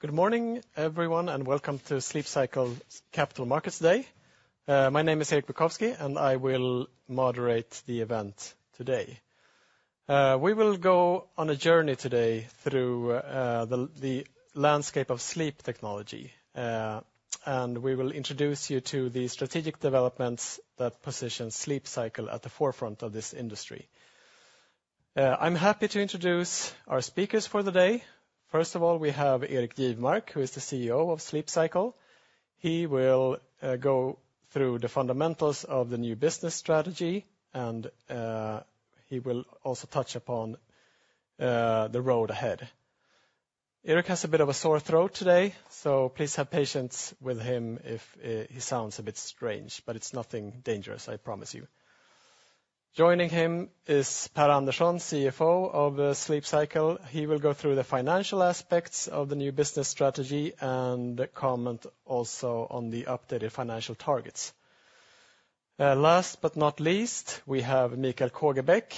Good morning, everyone, and welcome to Sleep Cycle Capital Markets Day. My name is Erik Bykowski, and I will moderate the event today. We will go on a journey today through the landscape of sleep technology, and we will introduce you to the strategic developments that position Sleep Cycle at the forefront of this industry. I'm happy to introduce our speakers for the day. First of all, we have Erik Jivmark, who is the CEO of Sleep Cycle. He will go through the fundamentals of the new business strategy, and he will also touch upon the road ahead. Erik has a bit of a sore throat today, so please have patience with him if he sounds a bit strange, but it's nothing dangerous, I promise you. Joining him is Per Andersson, CFO of Sleep Cycle. He will go through the financial aspects of the new business strategy and comment also on the updated financial targets. Last but not least, we have Mikael Kågebäck,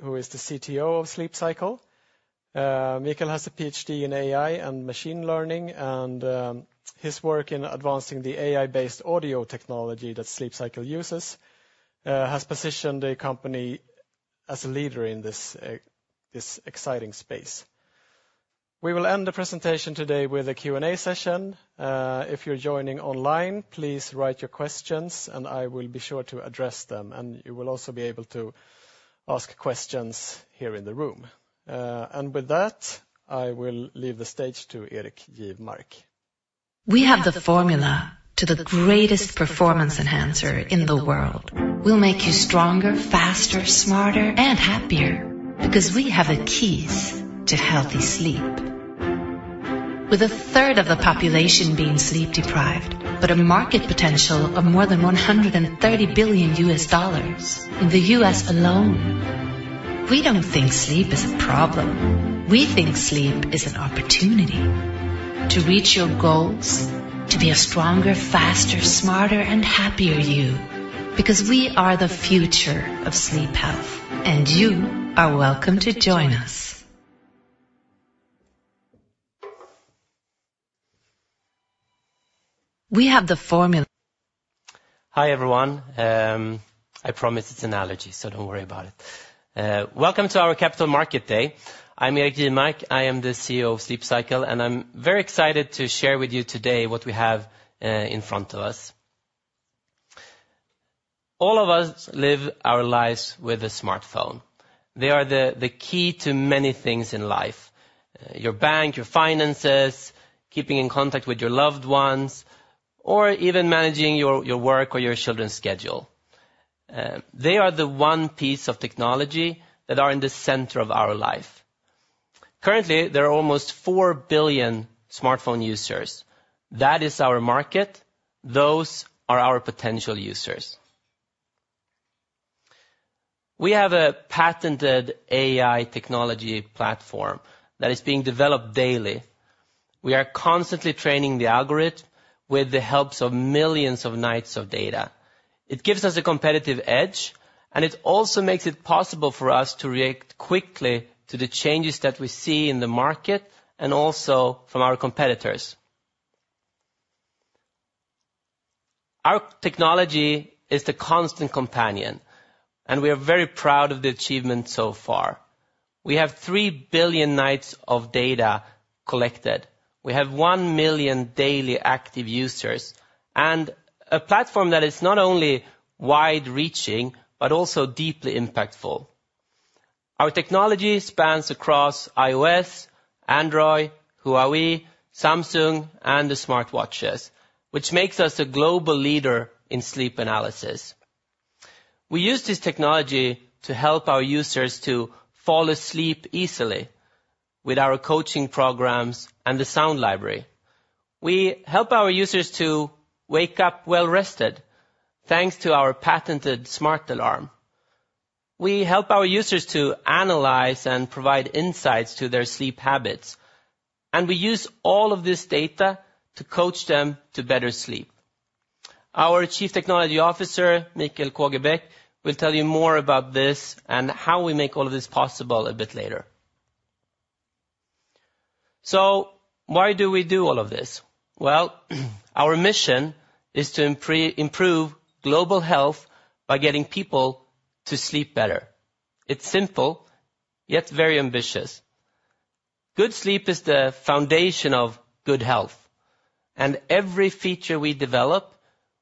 who is the CTO of Sleep Cycle. Mikael has a PhD in AI and machine learning, and his work in advancing the AI-based audio technology that Sleep Cycle uses has positioned the company as a leader in this exciting space. We will end the presentation today with a Q&A session. If you're joining online, please write your questions, and I will be sure to address them, and you will also be able to ask questions here in the room. With that, I will leave the stage to Erik Jivmark. We have the formula to the greatest performance enhancer in the world. We'll make you stronger, faster, smarter, and happier because we have the keys to healthy sleep. With a third of the population being sleep-deprived but a market potential of more than $130 billion in the U.S. alone, we don't think sleep is a problem. We think sleep is an opportunity to reach your goals, to be a stronger, faster, smarter, and happier you because we are the future of sleep health, and you are welcome to join us. We have the formula. Hi, everyone. I promised it's an allergy, so don't worry about it. Welcome to our Capital Markets Day. I'm Erik Jivmark. I am the CEO of Sleep Cycle, and I'm very excited to share with you today what we have in front of us. All of us live our lives with a smartphone. They are the key to many things in life: your bank, your finances, keeping in contact with your loved ones, or even managing your work or your children's schedule. They are the one piece of technology that is in the center of our life. Currently, there are almost 4 billion smartphone users. That is our market. Those are our potential users. We have a patented AI technology platform that is being developed daily. We are constantly training the algorithm with the help of millions of nights of data. It gives us a competitive edge, and it also makes it possible for us to react quickly to the changes that we see in the market and also from our competitors. Our technology is the constant companion, and we are very proud of the achievements so far. We have 3 billion nights of data collected. We have 1 million daily active users and a platform that is not only wide-reaching but also deeply impactful. Our technology spans across iOS, Android, Huawei, Samsung, and the smartwatches, which makes us a global leader in sleep analysis. We use this technology to help our users to fall asleep easily with our coaching programs and the sound library. We help our users to wake up well-rested thanks to our patented Smart Alarm. We help our users to analyze and provide insights to their sleep habits, and we use all of this data to coach them to better sleep. Our Chief Technology Officer, Mikael Kågebäck, will tell you more about this and how we make all of this possible a bit later. Why do we do all of this? Well, our mission is to improve global health by getting people to sleep better. It's simple, yet very ambitious. Good sleep is the foundation of good health, and every feature we develop,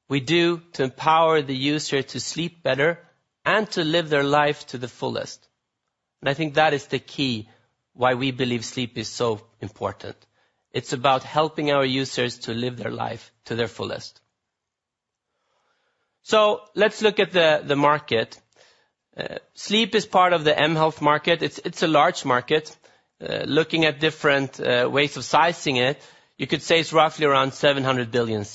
we do to empower the user to sleep better and to live their life to the fullest. I think that is the key why we believe sleep is so important. It's about helping our users to live their life to their fullest. Let's look at the market. Sleep is part of the mHealth market. It's a large market. Looking at different ways of sizing it, you could say it's roughly around 700 billion.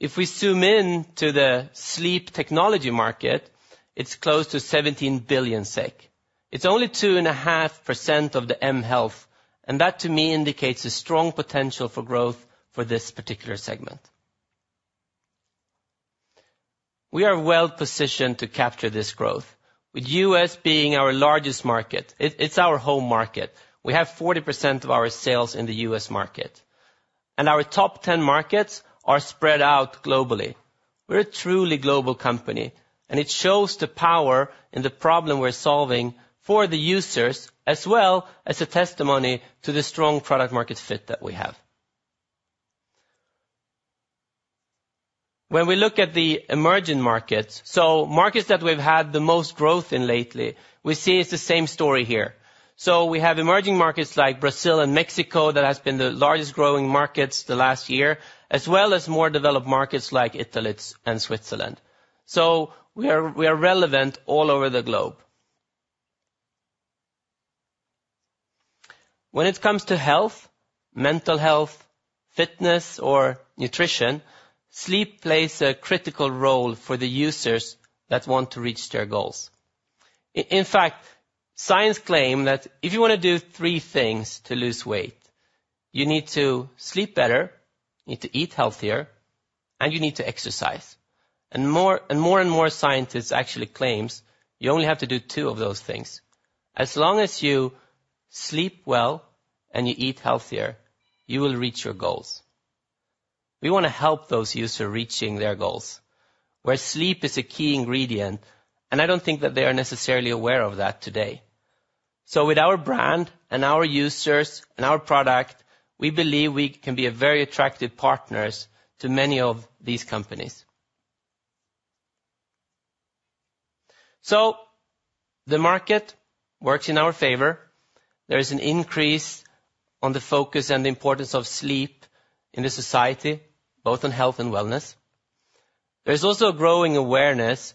If we zoom in to the sleep technology market, it's close to 17 billion SEK. It's only 2.5% of the mHealth, and that, to me, indicates a strong potential for growth for this particular segment. We are well-positioned to capture this growth, with the U.S. being our largest market. It's our home market. We have 40% of our sales in the U.S. market, and our top 10 markets are spread out globally. We're a truly global company, and it shows the power in the problem we're solving for the users as well as a testimony to the strong product-market fit that we have. When we look at the emerging markets, markets that we've had the most growth in lately, we see it's the same story here. We have emerging markets like Brazil and Mexico that have been the largest growing markets the last year, as well as more developed markets like Italy and Switzerland. We are relevant all over the globe. When it comes to health, mental health, fitness, or nutrition, sleep plays a critical role for the users that want to reach their goals. In fact, science claims that if you want to do three things to lose weight, you need to sleep better, you need to eat healthier, and you need to exercise. More and more scientists actually claim you only have to do two of those things. As long as you sleep well and you eat healthier, you will reach your goals. We want to help those users reach their goals, where sleep is a key ingredient, and I don't think that they are necessarily aware of that today. With our brand, our users, and our product, we believe we can be very attractive partners to many of these companies. The market works in our favor. There is an increase in the focus and the importance of sleep in the society, both on health and wellness. There is also a growing awareness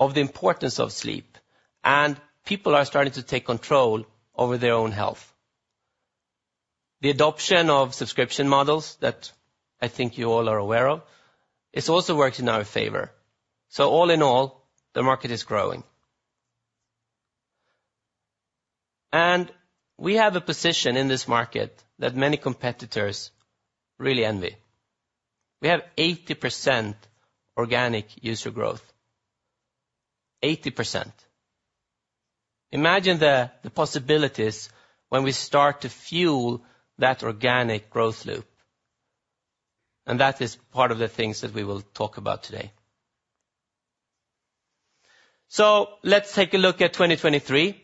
of the importance of sleep, and people are starting to take control over their own health. The adoption of subscription models that I think you all are aware of also works in our favor. All in all, the market is growing. We have a position in this market that many competitors really envy. We have 80% organic user growth. 80%. Imagine the possibilities when we start to fuel that organic growth loop, and that is part of the things that we will talk about today. Let's take a look at 2023.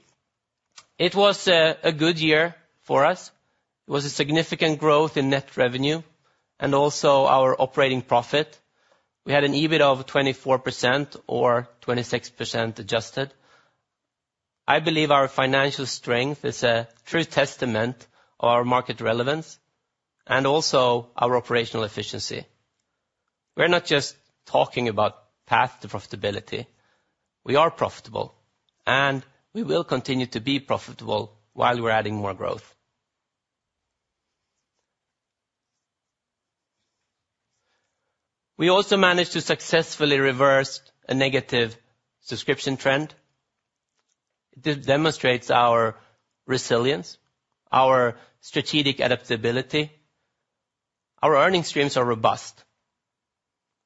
It was a good year for us. It was a significant growth in net revenue and also our operating profit. We had an EBIT of 24% or 26% adjusted. I believe our financial strength is a true testament of our market relevance and also our operational efficiency. We're not just talking about path to profitability. We are profitable, and we will continue to be profitable while we're adding more growth. We also managed to successfully reverse a negative subscription trend. It demonstrates our resilience, our strategic adaptability. Our earnings streams are robust.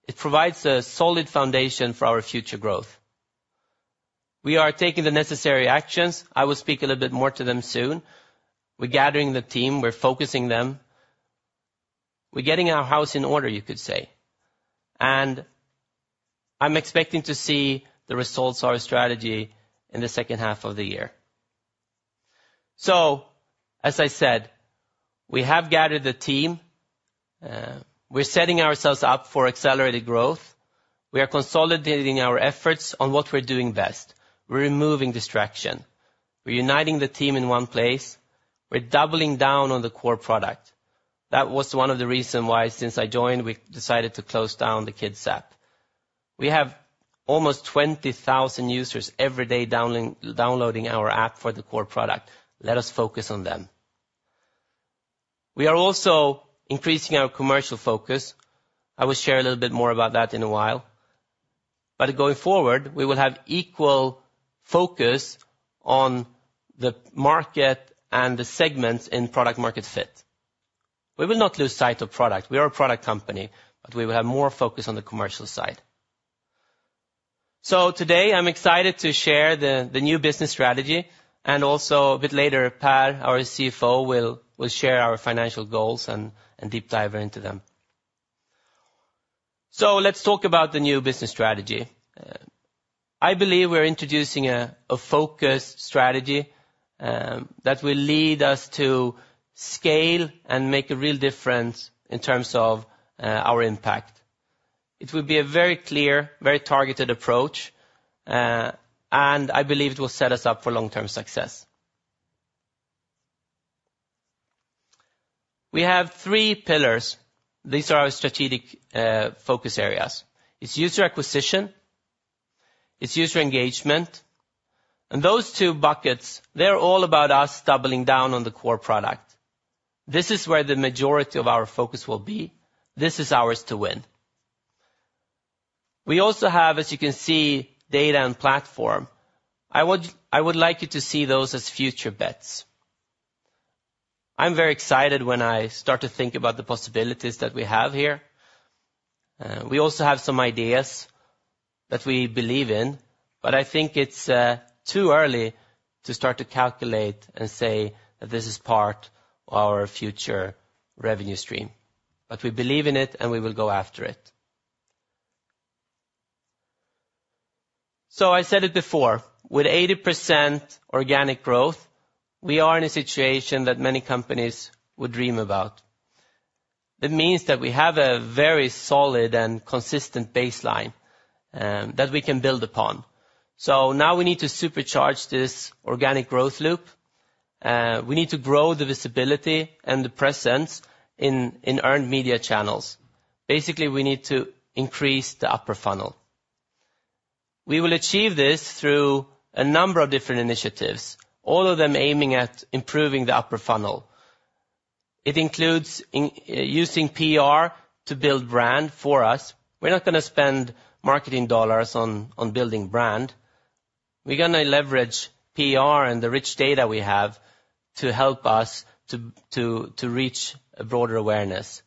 It provides a solid foundation for our future growth. We are taking the necessary actions. I will speak a little bit more to them soon. We're gathering the team. We're focusing them. We're getting our house in order, you could say. I'm expecting to see the results of our strategy in the second half of the year. As I said, we have gathered the team. We're setting ourselves up for accelerated growth. We are consolidating our efforts on what we're doing best. We're removing distraction. We're uniting the team in one place. We're doubling down on the core product. That was one of the reasons why, since I joined, we decided to close down the Kids app. We have almost 20,000 users every day downloading our app for the core product. Let us focus on them. We are also increasing our commercial focus. I will share a little bit more about that in a while. Going forward, we will have equal focus on the market and the segments in product-market fit. We will not lose sight of product. We are a product company, but we will have more focus on the commercial side. Today, I'm excited to share the new business strategy, and also a bit later, Per Andersson, our CFO, will share our financial goals and deep dive into them. Let's talk about the new business strategy. I believe we're introducing a focused strategy that will lead us to scale and make a real difference in terms of our impact. It will be a very clear, very targeted approach, and I believe it will set us up for long-term success. We have three pillars. These are our strategic focus areas. It's user acquisition. It's user engagement. Those two buckets, they're all about us doubling down on the core product. This is where the majority of our focus will be. This is ours to win. We also have, as you can see, data and platform. I would like you to see those as future bets. I'm very excited when I start to think about the possibilities that we have here. We also have some ideas that we believe in, but I think it's too early to start to calculate and say that this is part of our future revenue stream. We believe in it, and we will go after it. I said it before. With 80% organic growth, we are in a situation that many companies would dream about. That means that we have a very solid and consistent baseline that we can build upon. Now we need to supercharge this organic growth loop. We need to grow the visibility and the presence in earned media channels. Basically, we need to increase the upper funnel. We will achieve this through a number of different initiatives, all of them aiming at improving the upper funnel. It includes using PR to build brand for us. We're not going to spend marketing dollars on building brand. We're going to leverage PR and the rich data we have to help us to reach a broader awareness.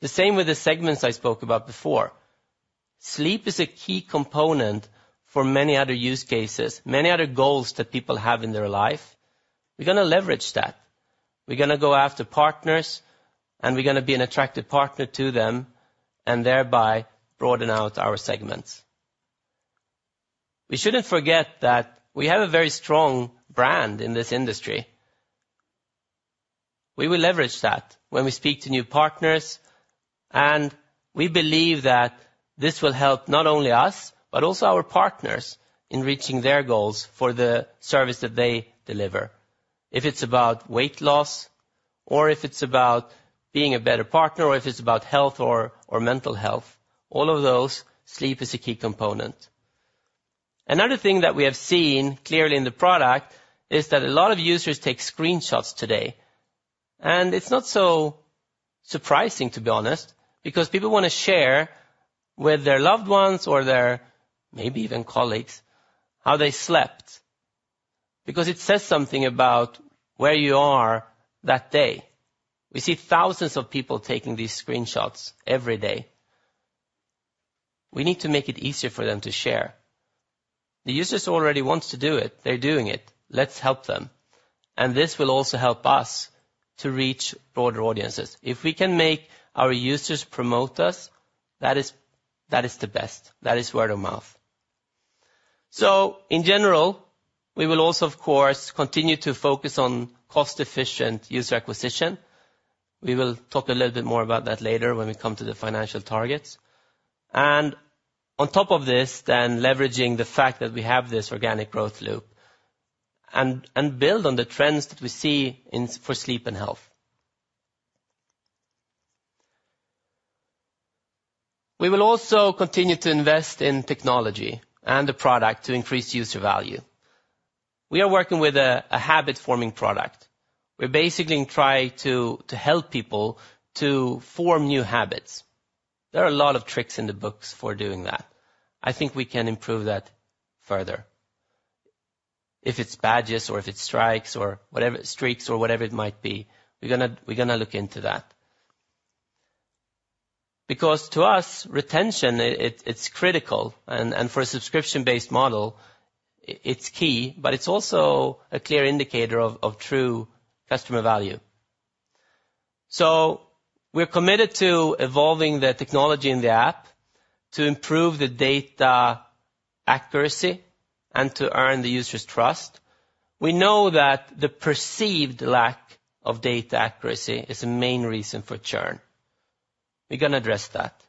The same with the segments I spoke about before. Sleep is a key component for many other use cases, many other goals that people have in their life. We're going to leverage that. We're going to go after partners, and we're going to be an attractive partner to them and thereby broaden out our segments. We shouldn't forget that we have a very strong brand in this industry. We will leverage that when we speak to new partners, and we believe that this will help not only us but also our partners in reaching their goals for the service that they deliver. If it's about weight loss, or if it's about being a better partner, or if it's about health or mental health, all of those, sleep is a key component. Another thing that we have seen clearly in the product is that a lot of users take screenshots today. It's not so surprising, to be honest, because people want to share with their loved ones or their, maybe even colleagues, how they slept, because it says something about where you are that day. We see thousands of people taking these screenshots every day. We need to make it easier for them to share. The users already want to do it. They're doing it. Let's help them. This will also help us to reach broader audiences. If we can make our users promote us, that is the best. That is word of mouth. In general, we will also, of course, continue to focus on cost-efficient user acquisition. We will talk a little bit more about that later when we come to the financial targets. On top of this, then, leveraging the fact that we have this organic growth loop and build on the trends that we see for sleep and health. We will also continue to invest in technology and the product to increase user value. We are working with a habit-forming product. We're basically trying to help people to form new habits. There are a lot of tricks in the books for doing that. I think we can improve that further. If it's badges or if it's strikes or streaks or whatever it might be, we're going to look into that. Because to us, retention, it's critical, and for a subscription-based model, it's key, but it's also a clear indicator of true customer value. We're committed to evolving the technology in the app to improve the data accuracy and to earn the user's trust. We know that the perceived lack of data accuracy is a main reason for churn. We're going to address that.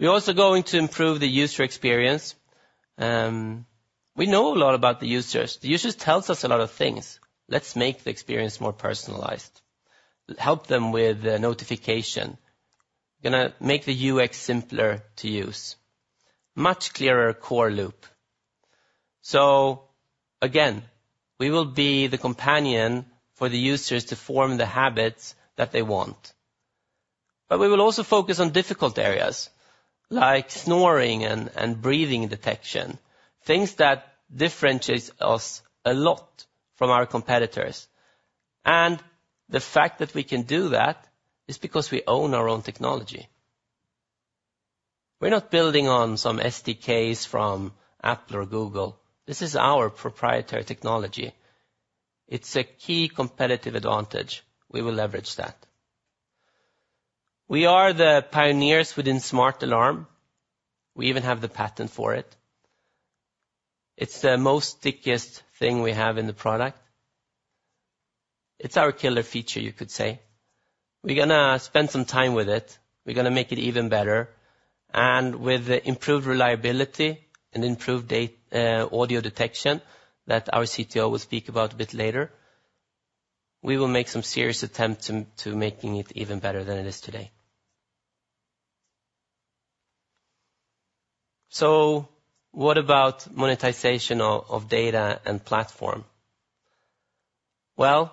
We're also going to improve the user experience. We know a lot about the users. The users tell us a lot of things. Let's make the experience more personalized. Help them with notification. We're going to make the UX simpler to use. Much clearer core loop. Again, we will be the companion for the users to form the habits that they want. We will also focus on difficult areas like snoring and breathing detection, things that differentiate us a lot from our competitors. The fact that we can do that is because we own our own technology. We're not building on some SDKs from Apple or Google. This is our proprietary technology. It's a key competitive advantage. We will leverage that. We are the pioneers within Smart Alarm. We even have the patent for it. It's the most stickiest thing we have in the product. It's our killer feature, you could say. We're going to spend some time with it. We're going to make it even better. With improved reliability and improved audio detection that our CTO will speak about a bit later, we will make some serious attempts to making it even better than it is today. What about monetization of data and platform? Well,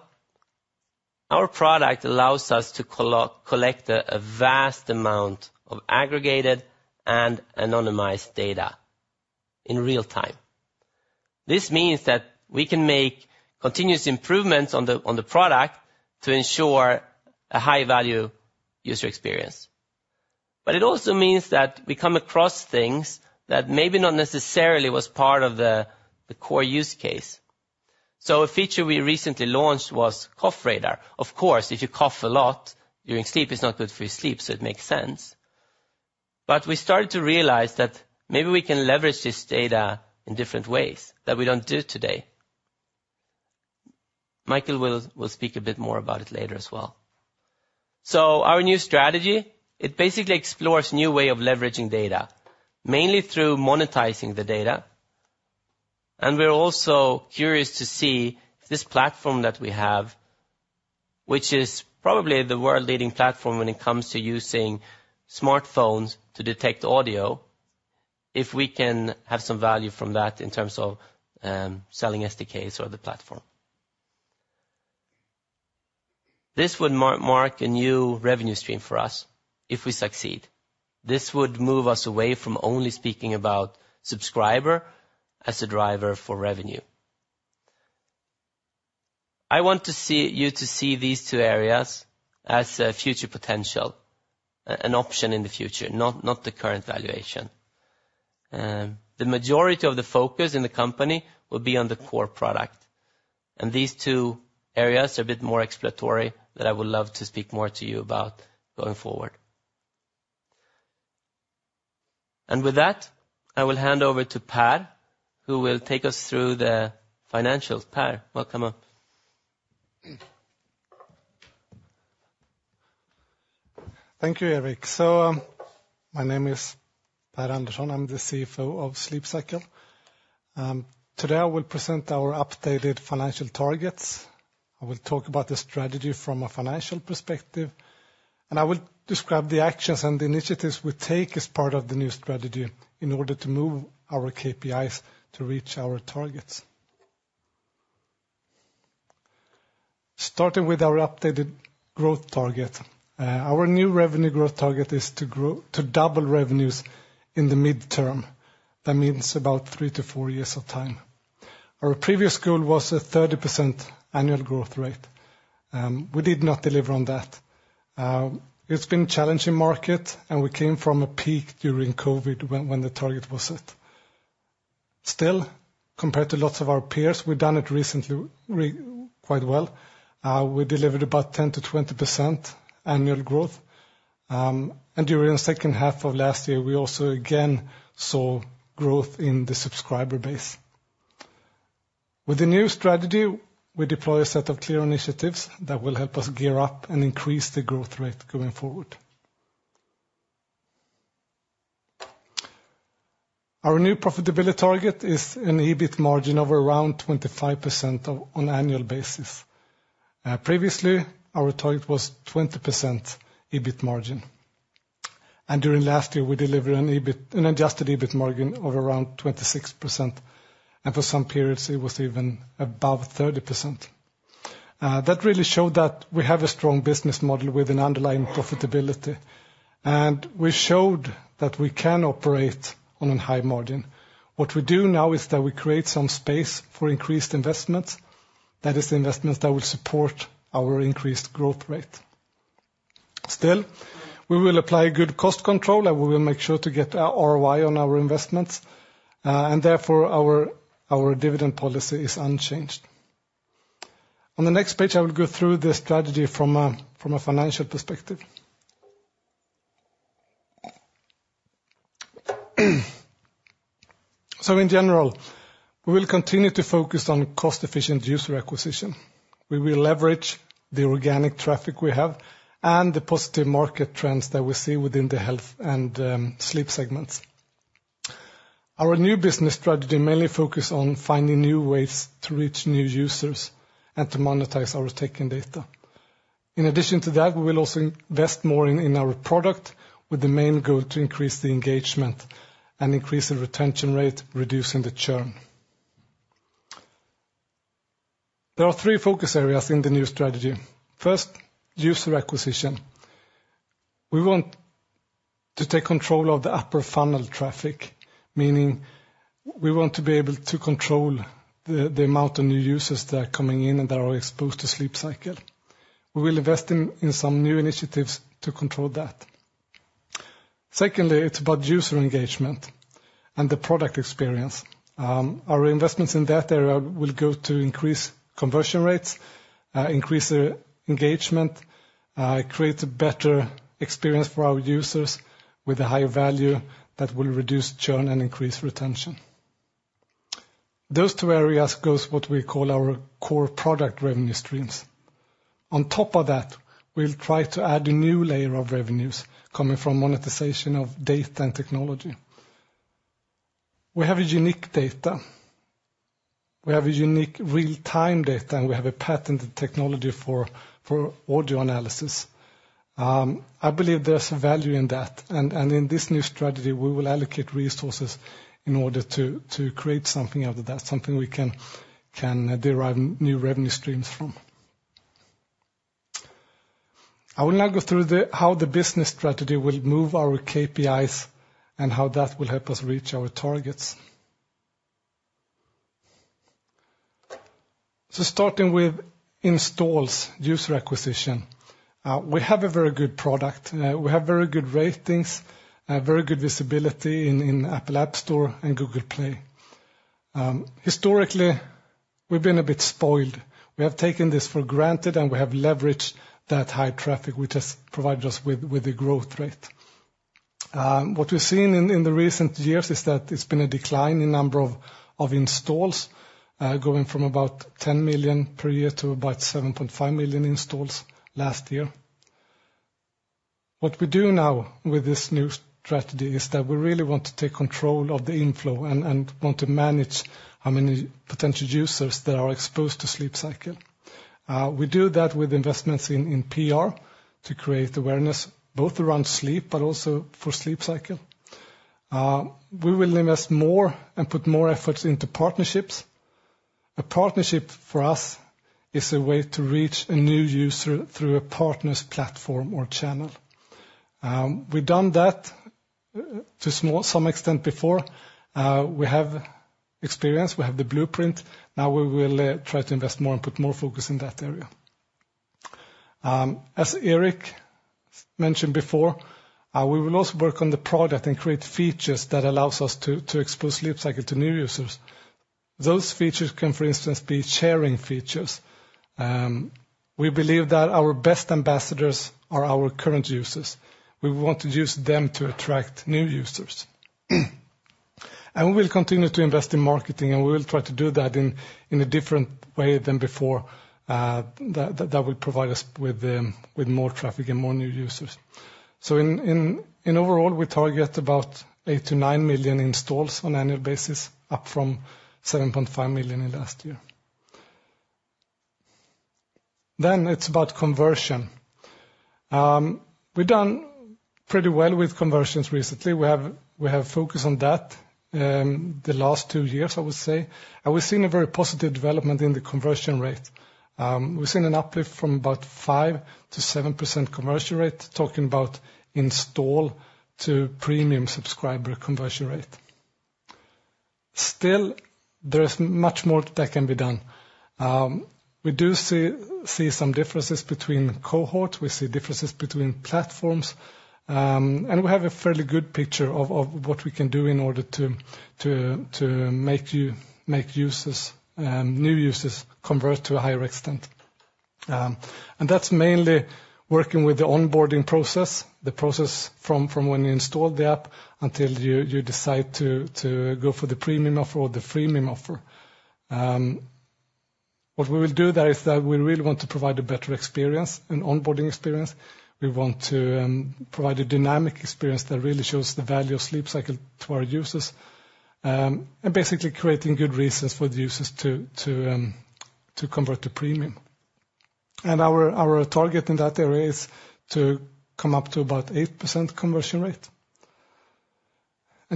our product allows us to collect a vast amount of aggregated and anonymized data in real time. This means that we can make continuous improvements on the product to ensure a high-value user experience. It also means that we come across things that maybe not necessarily were part of the core use case. A feature we recently launched was Cough Radar. Of course, if you cough a lot during sleep, it's not good for your sleep, so it makes sense. We started to realize that maybe we can leverage this data in different ways that we don't do today. Mikael will speak a bit more about it later as well. Our new strategy, it basically explores a new way of leveraging data, mainly through monetizing the data. We're also curious to see if this platform that we have, which is probably the world-leading platform when it comes to using smartphones to detect audio, if we can have some value from that in terms of selling SDKs or the platform. This would mark a new revenue stream for us if we succeed. This would move us away from only speaking about subscriber as a driver for revenue. I want you to see these two areas as a future potential, an option in the future, not the current valuation. The majority of the focus in the company will be on the core product, and these two areas are a bit more exploratory that I would love to speak more to you about going forward. With that, I will hand over to Per, who will take us through the financials. Per, welcome up. Thank you, Erik. My name is Per Andersson. I'm the CFO of Sleep Cycle. Today, I will present our updated financial targets. I will talk about the strategy from a financial perspective, and I will describe the actions and initiatives we take as part of the new strategy in order to move our KPIs to reach our targets. Starting with our updated growth target, our new revenue growth target is to double revenues in the mid-term. That means about 3-4 years of time. Our previous goal was a 30% annual growth rate. We did not deliver on that. It's been a challenging market, and we came from a peak during COVID when the target was set. Still, compared to lots of our peers, we've done it recently quite well. We delivered about 10%-20% annual growth, and during the second half of last year, we also again saw growth in the subscriber base. With the new strategy, we deploy a set of clear initiatives that will help us gear up and increase the growth rate going forward. Our new profitability target is an EBIT margin of around 25% on annual basis. Previously, our target was 20% EBIT margin, and during last year, we delivered an adjusted EBIT margin of around 26%, and for some periods, it was even above 30%. That really showed that we have a strong business model with an underlying profitability, and we showed that we can operate on a high margin. What we do now is that we create some space for increased investments. That is, investments that will support our increased growth rate. Still, we will apply good cost control, and we will make sure to get ROI on our investments, and therefore, our dividend policy is unchanged. On the next page, I will go through the strategy from a financial perspective. In general, we will continue to focus on cost-efficient user acquisition. We will leverage the organic traffic we have and the positive market trends that we see within the health and sleep segments. Our new business strategy mainly focuses on finding new ways to reach new users and to monetize our taken data. In addition to that, we will also invest more in our product with the main goal to increase the engagement and increase the retention rate, reducing the churn. There are three focus areas in the new strategy. First, user acquisition. We want to take control of the upper funnel traffic, meaning we want to be able to control the amount of new users that are coming in and that are exposed to Sleep Cycle. We will invest in some new initiatives to control that. Secondly, it's about user engagement and the product experience. Our investments in that area will go to increase conversion rates, increase engagement, create a better experience for our users with a higher value that will reduce churn and increase retention. Those two areas go with what we call our core product revenue streams. On top of that, we'll try to add a new layer of revenues coming from monetization of data and technology. We have a unique data. We have a unique real-time data, and we have a patented technology for audio analysis. I believe there's value in that, and in this new strategy, we will allocate resources in order to create something out of that, something we can derive new revenue streams from. I will now go through how the business strategy will move our KPIs and how that will help us reach our targets. Starting with installs, user acquisition. We have a very good product. We have very good ratings, very good visibility in Apple App Store and Google Play. Historically, we've been a bit spoiled. We have taken this for granted, and we have leveraged that high traffic, which has provided us with a growth rate. What we've seen in the recent years is that it's been a decline in number of installs, going from about 10 million per year to about 7.5 million installs last year. What we do now with this new strategy is that we really want to take control of the inflow and want to manage how many potential users that are exposed to Sleep Cycle. We do that with investments in PR to create awareness, both around sleep but also for Sleep Cycle. We will invest more and put more efforts into partnerships. A partnership for us is a way to reach a new user through a partner's platform or channel. We've done that to some extent before. We have experience. We have the blueprint. Now, we will try to invest more and put more focus in that area. As Erik mentioned before, we will also work on the product and create features that allow us to expose Sleep Cycle to new users. Those features can, for instance, be sharing features. We believe that our best ambassadors are our current users. We want to use them to attract new users. We will continue to invest in marketing, and we will try to do that in a different way than before that will provide us with more traffic and more new users. Overall, we target about 8-9 million installs on an annual basis, up from 7.5 million in last year. Then, it's about conversion. We've done pretty well with conversions recently. We have focused on that the last two years, I would say. We've seen a very positive development in the conversion rate. We've seen an uplift from about 5%-7% conversion rate, talking about install-to-premium subscriber conversion rate. Still, there's much more that can be done. We do see some differences between cohorts. We see differences between platforms. We have a fairly good picture of what we can do in order to make new users convert to a higher extent. That's mainly working with the onboarding process, the process from when you install the app until you decide to go for the premium offer or the freemium offer. What we will do there is that we really want to provide a better experience, an onboarding experience. We want to provide a dynamic experience that really shows the value of Sleep Cycle to our users, and basically creating good reasons for the users to convert to premium. Our target in that area is to come up to about 8% conversion rate.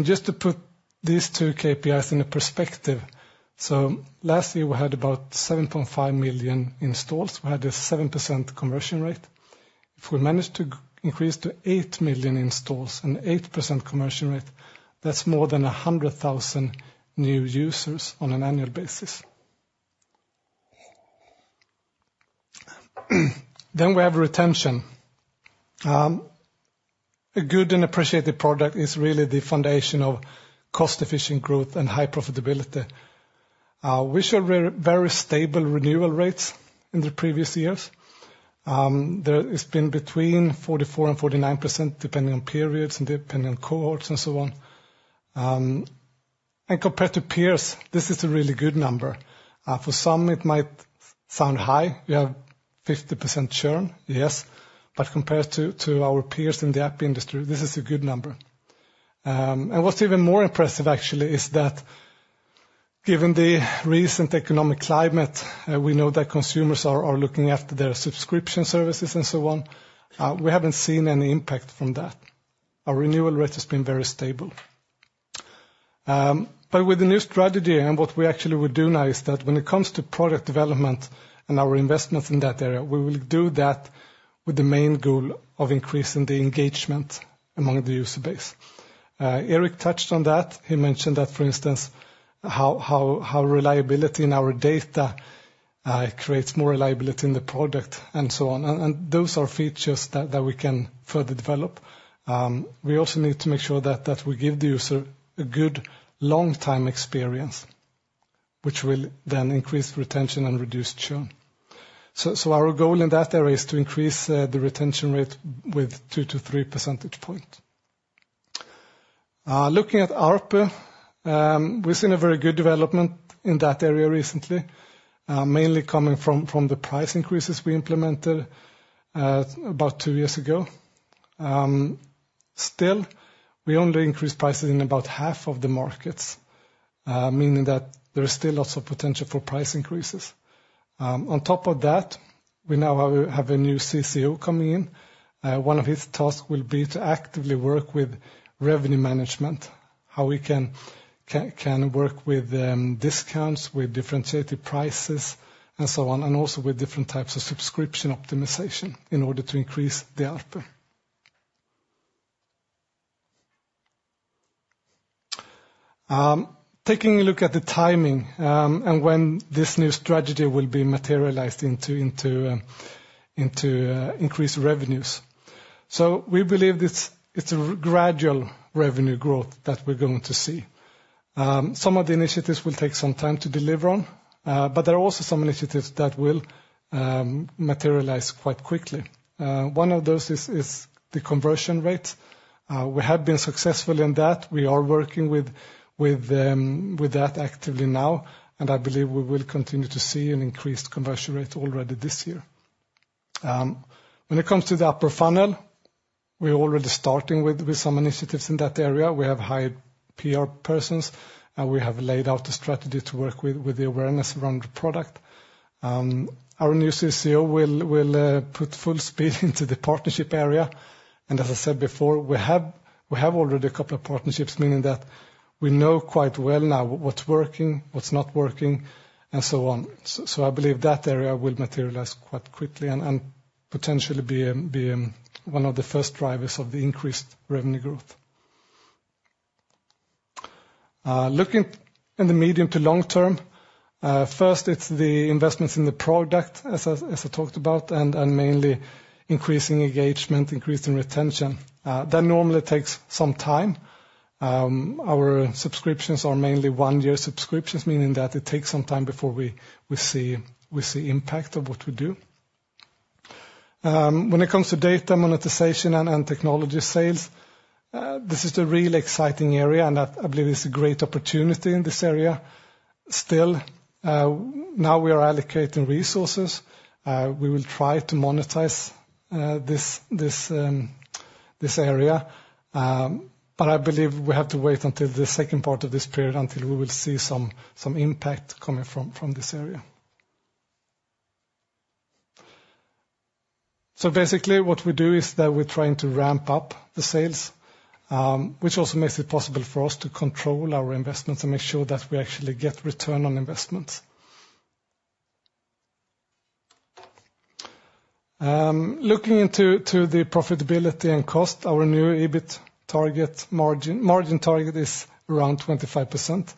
Just to put these two KPIs in perspective, last year we had about 7.5 million installs. We had a 7% conversion rate. If we manage to increase to 8 million installs and 8% conversion rate, that's more than 100,000 new users on an annual basis. Then, we have retention. A good and appreciated product is really the foundation of cost-efficient growth and high profitability. We showed very stable renewal rates in the previous years. There has been between 44%-49%, depending on periods and depending on cohorts and so on. Compared to peers, this is a really good number. For some, it might sound high. You have 50% churn, yes. But compared to our peers in the app industry, this is a good number. What's even more impressive, actually, is that given the recent economic climate, we know that consumers are looking after their subscription services and so on, we haven't seen any impact from that. Our renewal rate has been very stable. With the new strategy, what we actually would do now is that when it comes to product development and our investments in that area, we will do that with the main goal of increasing the engagement among the user base. Erik touched on that. He mentioned that, for instance, how reliability in our data creates more reliability in the product and so on. Those are features that we can further develop. We also need to make sure that we give the user a good long-term experience, which will then increase retention and reduce churn. Our goal in that area is to increase the retention rate with 2-3 percentage points. Looking at ARPU, we've seen a very good development in that area recently, mainly coming from the price increases we implemented about two years ago. Still, we only increased prices in about half of the markets, meaning that there's still lots of potential for price increases. On top of that, we now have a new CCO coming in. One of his tasks will be to actively work with revenue management, how we can work with discounts, with differentiated prices, and so on, and also with different types of subscription optimization in order to increase the ARPU. Taking a look at the timing and when this new strategy will be materialized into increased revenues. We believe it's a gradual revenue growth that we're going to see. Some of the initiatives will take some time to deliver on, but there are also some initiatives that will materialize quite quickly. One of those is the conversion rate. We have been successful in that. We are working with that actively now, and I believe we will continue to see an increased conversion rate already this year. When it comes to the upper funnel, we're already starting with some initiatives in that area. We have hired PR persons, and we have laid out a strategy to work with the awareness around the product. Our new CCO will put full speed into the partnership area, and as I said before, we have already a couple of partnerships, meaning that we know quite well now what's working, what's not working, and so on. I believe that area will materialize quite quickly and potentially be one of the first drivers of the increased revenue growth. Looking in the medium to long term, first, it's the investments in the product, as I talked about, and mainly increasing engagement, increasing retention. That normally takes some time. Our subscriptions are mainly one-year subscriptions, meaning that it takes some time before we see impact of what we do. When it comes to data, monetization, and technology sales, this is a really exciting area, and I believe it's a great opportunity in this area. Still, now we are allocating resources. We will try to monetize this area, but I believe we have to wait until the second part of this period until we will see some impact coming from this area. Basically, what we do is that we're trying to ramp up the sales, which also makes it possible for us to control our investments and make sure that we actually get return on investments. Looking into the profitability and cost, our new EBIT target margin target is around 25%.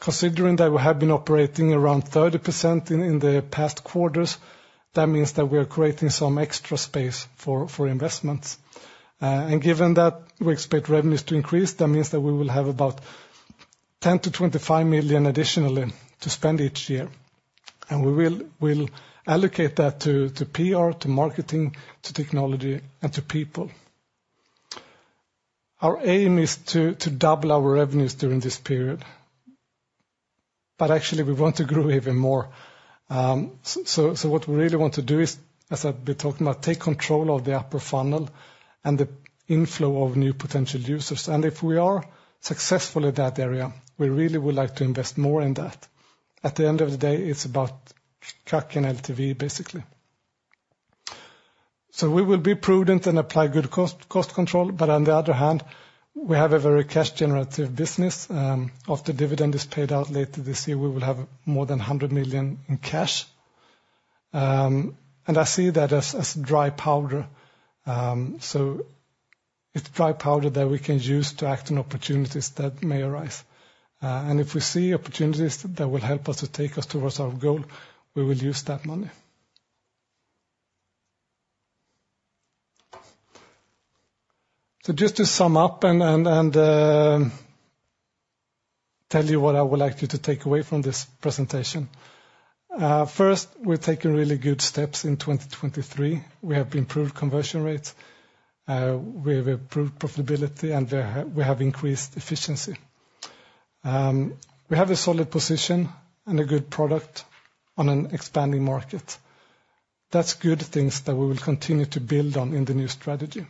Considering that we have been operating around 30% in the past quarters, that means that we are creating some extra space for investments. Given that we expect revenues to increase, that means that we will have about 10-25 million additionally to spend each year. We will allocate that to PR, to marketing, to technology, and to people. Our aim is to double our revenues during this period. But actually, we want to grow even more. What we really want to do is, as I've been talking about, take control of the upper funnel and the inflow of new potential users. If we are successful in that area, we really would like to invest more in that. At the end of the day, it's about boosting LTV, basically. We will be prudent and apply good cost control, but on the other hand, we have a very cash-generative business. After dividend is paid out later this year, we will have more than 100 million in cash. I see that as dry powder. It's dry powder that we can use to act on opportunities that may arise. If we see opportunities that will help us to take us towards our goal, we will use that money. Just to sum up and tell you what I would like you to take away from this presentation... First, we've taken really good steps in 2023. We have improved conversion rates. We have improved profitability, and we have increased efficiency. We have a solid position and a good product on an expanding market. That's good things that we will continue to build on in the new strategy.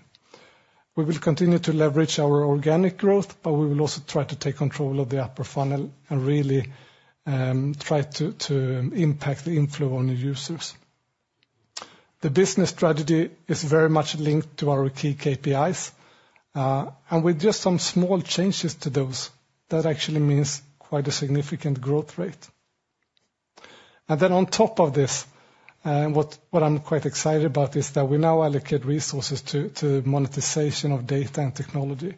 We will continue to leverage our organic growth, but we will also try to take control of the upper funnel and really try to impact the inflow on new users. The business strategy is very much linked to our key KPIs, and with just some small changes to those, that actually means quite a significant growth rate. Then, on top of this, what I'm quite excited about is that we now allocate resources to the monetization of data and technology.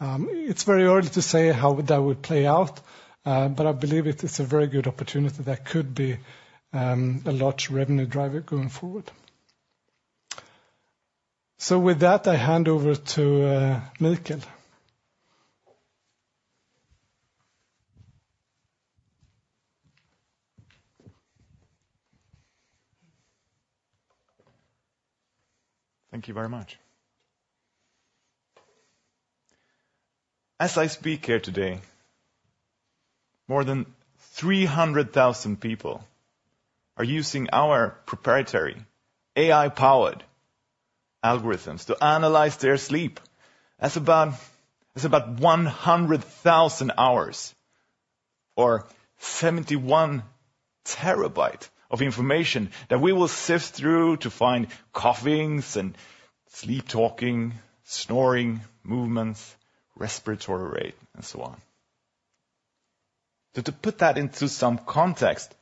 It's very early to say how that would play out, but I believe it's a very good opportunity that could be a large revenue driver going forward. With that, I hand over to Mikael. Thank you very much. As I speak here today, more than 300,000 people are using our proprietary, AI-powered algorithms to analyze their sleep. That's about 100,000 hours, or 71 TB of information that we will sift through to find coughings, sleep talking, snoring movements, respiratory rate, and so on. To put that into some context,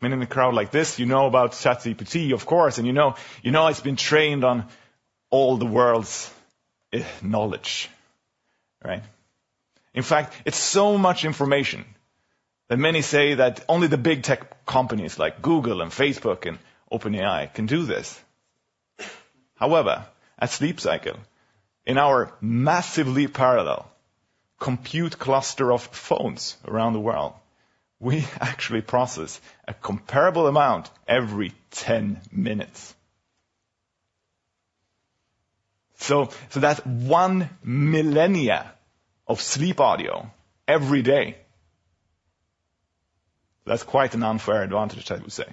meaning in a crowd like this, you know about ChatGPT, of course, and you know it's been trained on all the world's knowledge. In fact, it's so much information that many say that only the big tech companies like Google and Facebook and OpenAI can do this. However, at Sleep Cycle, in our massively parallel compute cluster of phones around the world, we actually process a comparable amount every 10 minutes. That's one millennium of sleep audio every day. That's quite an unfair advantage, I would say.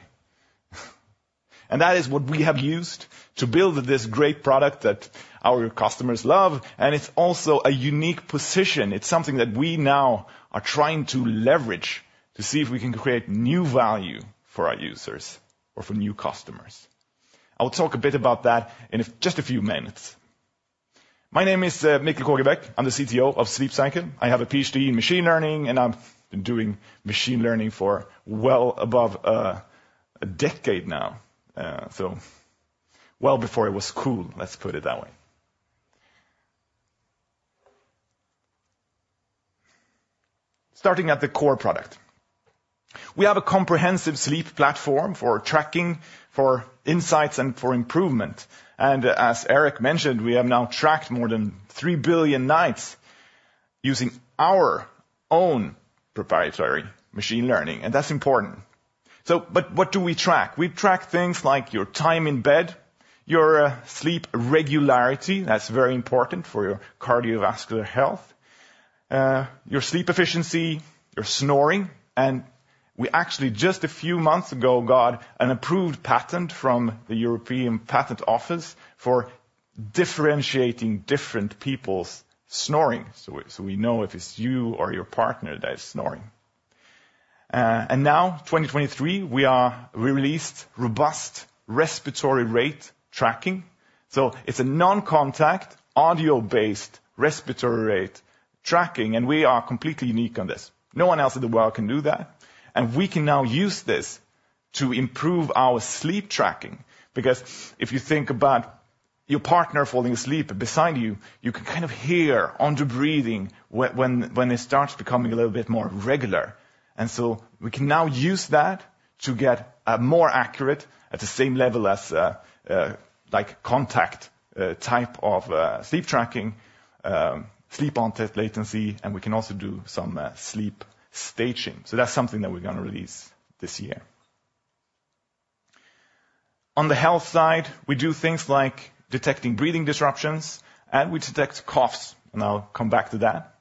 That is what we have used to build this great product that our customers love, and it's also a unique position. It's something that we now are trying to leverage to see if we can create new value for our users or for new customers. I will talk a bit about that in just a few minutes. My name is Mikael Kågebäck. I'm the CTO of Sleep Cycle. I have a Ph.D. in machine learning, and I've been doing machine learning for well above a decade now. Well before it was cool, let's put it that way. Starting at the core product. We have a comprehensive sleep platform for tracking, for insights, and for improvement. As Erik mentioned, we have now tracked more than 3 billion nights using our own proprietary machine learning, and that's important. But what do we track? We track things like your time in bed, your sleep regularity, that's very important for your cardiovascular health, your sleep efficiency, your snoring. We actually, just a few months ago, got an approved patent from the European Patent Office for differentiating different people's snoring, so we know if it's you or your partner that is snoring. Now, in 2023, we released robust respiratory rate tracking. It's a non-contact, audio-based respiratory rate tracking, and we are completely unique on this. No one else in the world can do that, and we can now use this to improve our sleep tracking. If you think about your partner falling asleep beside you, you can kind of hear on their breathing when it starts becoming a little bit more regular. We can now use that to get more accurate at the same level as contact type of sleep tracking, sleep onset latency, and we can also do some sleep staging. That's something that we're going to release this year. On the health side, we do things like detecting breathing disruptions, and we detect coughs, and I'll come back to that.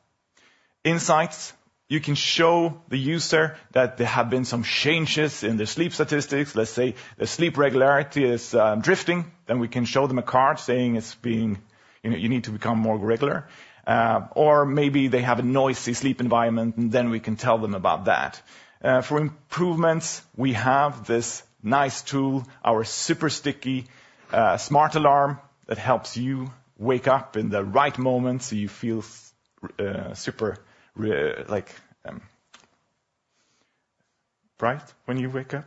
Insights, you can show the user that there have been some changes in their sleep statistics. Let's say their sleep regularity is drifting, then we can show them a card saying you need to become more regular. Or maybe they have a noisy sleep environment, and then we can tell them about that. For improvements, we have this nice tool, our super sticky Smart Alarm that helps you wake up in the right moment so you feel super bright when you wake up.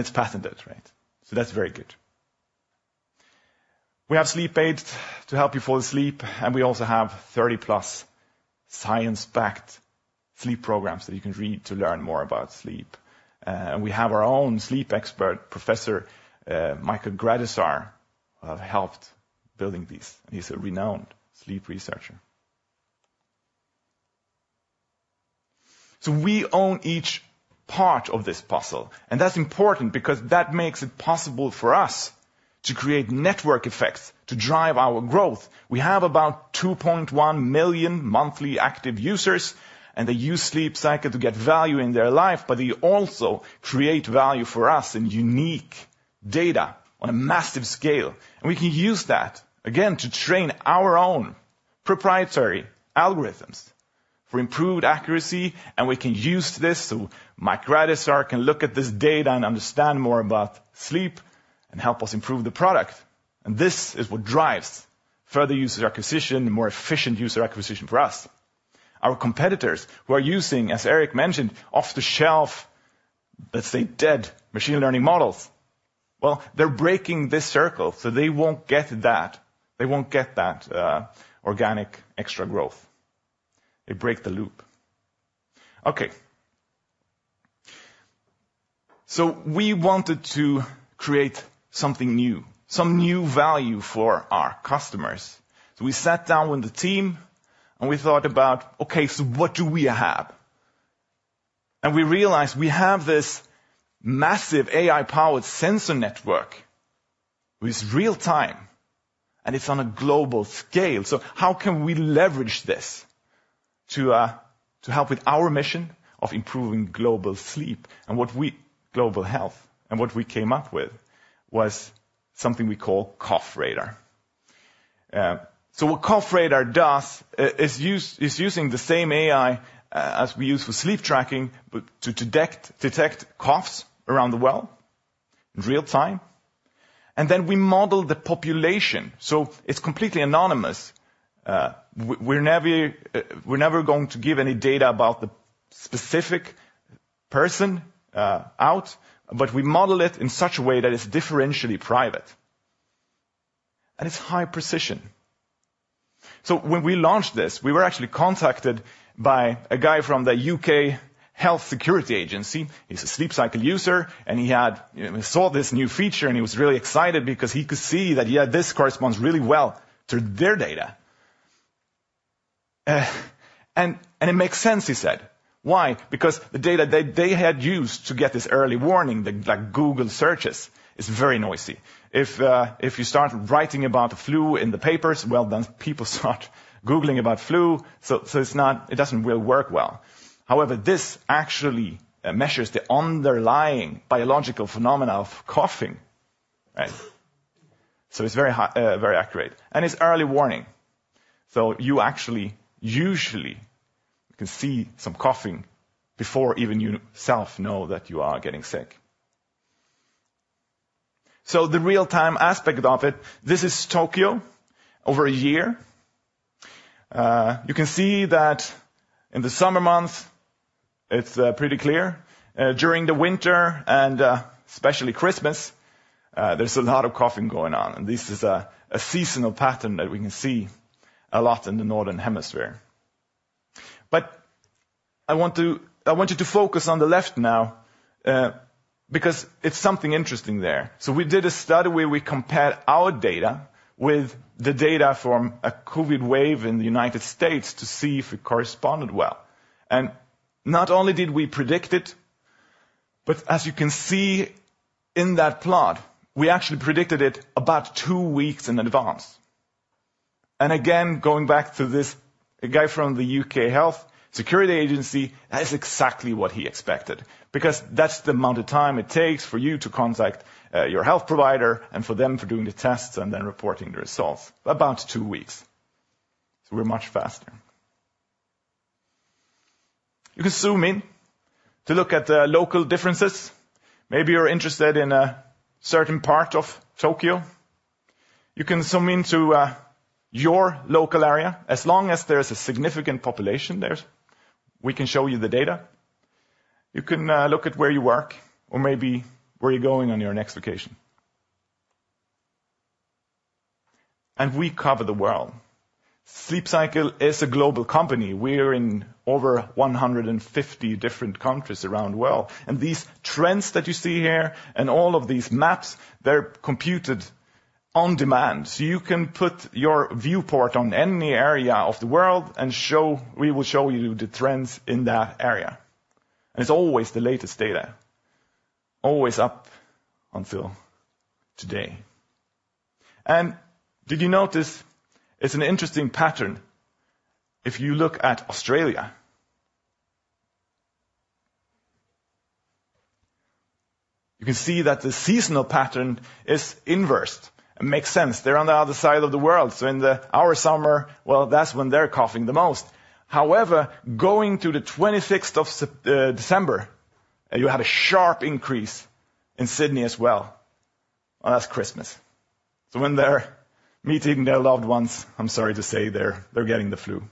It's patented, right? That's very good. We have sleep aids to help you fall asleep, and we also have 30+ science-backed sleep programs that you can read to learn more about sleep. We have our own sleep expert, Professor Michael Gradisar, who helped building these. He's a renowned sleep researcher. We own each part of this puzzle, and that's important because that makes it possible for us to create network effects to drive our growth. We have about 2.1 million monthly active users, and they use Sleep Cycle to get value in their life, but they also create value for us in unique data on a massive scale. We can use that, again, to train our own proprietary algorithms for improved accuracy, and we can use this so Mike Gradisar can look at this data and understand more about sleep and help us improve the product. This is what drives further user acquisition and more efficient user acquisition for us. Our competitors, who are using, as Erik mentioned, off-the-shelf, let's say, dead machine learning models, they're breaking this circle so they won't get that. They won't get that organic extra growth. They break the loop. We wanted to create something new, some new value for our customers. We sat down with the team, and we thought about, "Okay, so what do we have?" We realized we have this massive AI-powered sensor network with real-time, and it's on a global scale. How can we leverage this to help with our mission of improving global sleep? Global health, and what we came up with was something we call Cough Radar. What Cough Radar does is using the same AI as we use for sleep tracking to detect coughs around the world in real-time. Then we model the population, so it's completely anonymous. We're never going to give any data about the specific person out, but we model it in such a way that it's differentially private. It's high precision. When we launched this, we were actually contacted by a guy from the UK Health Security Agency. He's a Sleep Cycle user, and he saw this new feature, and he was really excited because he could see that this corresponds really well to their data. "It makes sense," he said. Why? Because the data that they had used to get this early warning, like Google searches, is very noisy. If you start writing about the flu in the papers, well then people start Googling about flu, so it doesn't really work well. However, this actually measures the underlying biological phenomena of coughing. It's very accurate, and it's early warning. You actually usually can see some coughing before even you yourself know that you are getting sick. The real-time aspect of it, this is Tokyo over a year. You can see that in the summer months it's pretty clear. During the winter, and especially Christmas, there's a lot of coughing going on. This is a seasonal pattern that we can see a lot in the northern hemisphere. But I want you to focus on the left now because it's something interesting there. We did a study where we compared our data with the data from a COVID wave in the United States to see if it corresponded well. Not only did we predict it, but as you can see in that plot, we actually predicted it about two weeks in advance. Again, going back to this guy from the UK Health Security Agency, that is exactly what he expected because that's the amount of time it takes for you to contact your health provider and for them for doing the tests and then reporting the results. About two weeks. We're much faster. You can zoom in to look at local differences. Maybe you're interested in a certain part of Tokyo. You can zoom into your local area. As long as there's a significant population there, we can show you the data. You can look at where you work or maybe where you're going on your next vacation. We cover the world. Sleep Cycle is a global company. We're in over 150 different countries around the world. These trends that you see here and all of these maps, they're computed on demand. You can put your viewport on any area of the world and we will show you the trends in that area. It's always the latest data, always up until today. Did you notice it's an interesting pattern? If you look at Australia, you can see that the seasonal pattern is inverted. It makes sense. They're on the other side of the world. In our summer, that's when they're coughing the most. However, going to the 26th of December, you had a sharp increase in Sydney as well. That's Christmas. When they're meeting their loved ones, I'm sorry to say, they're getting the flu.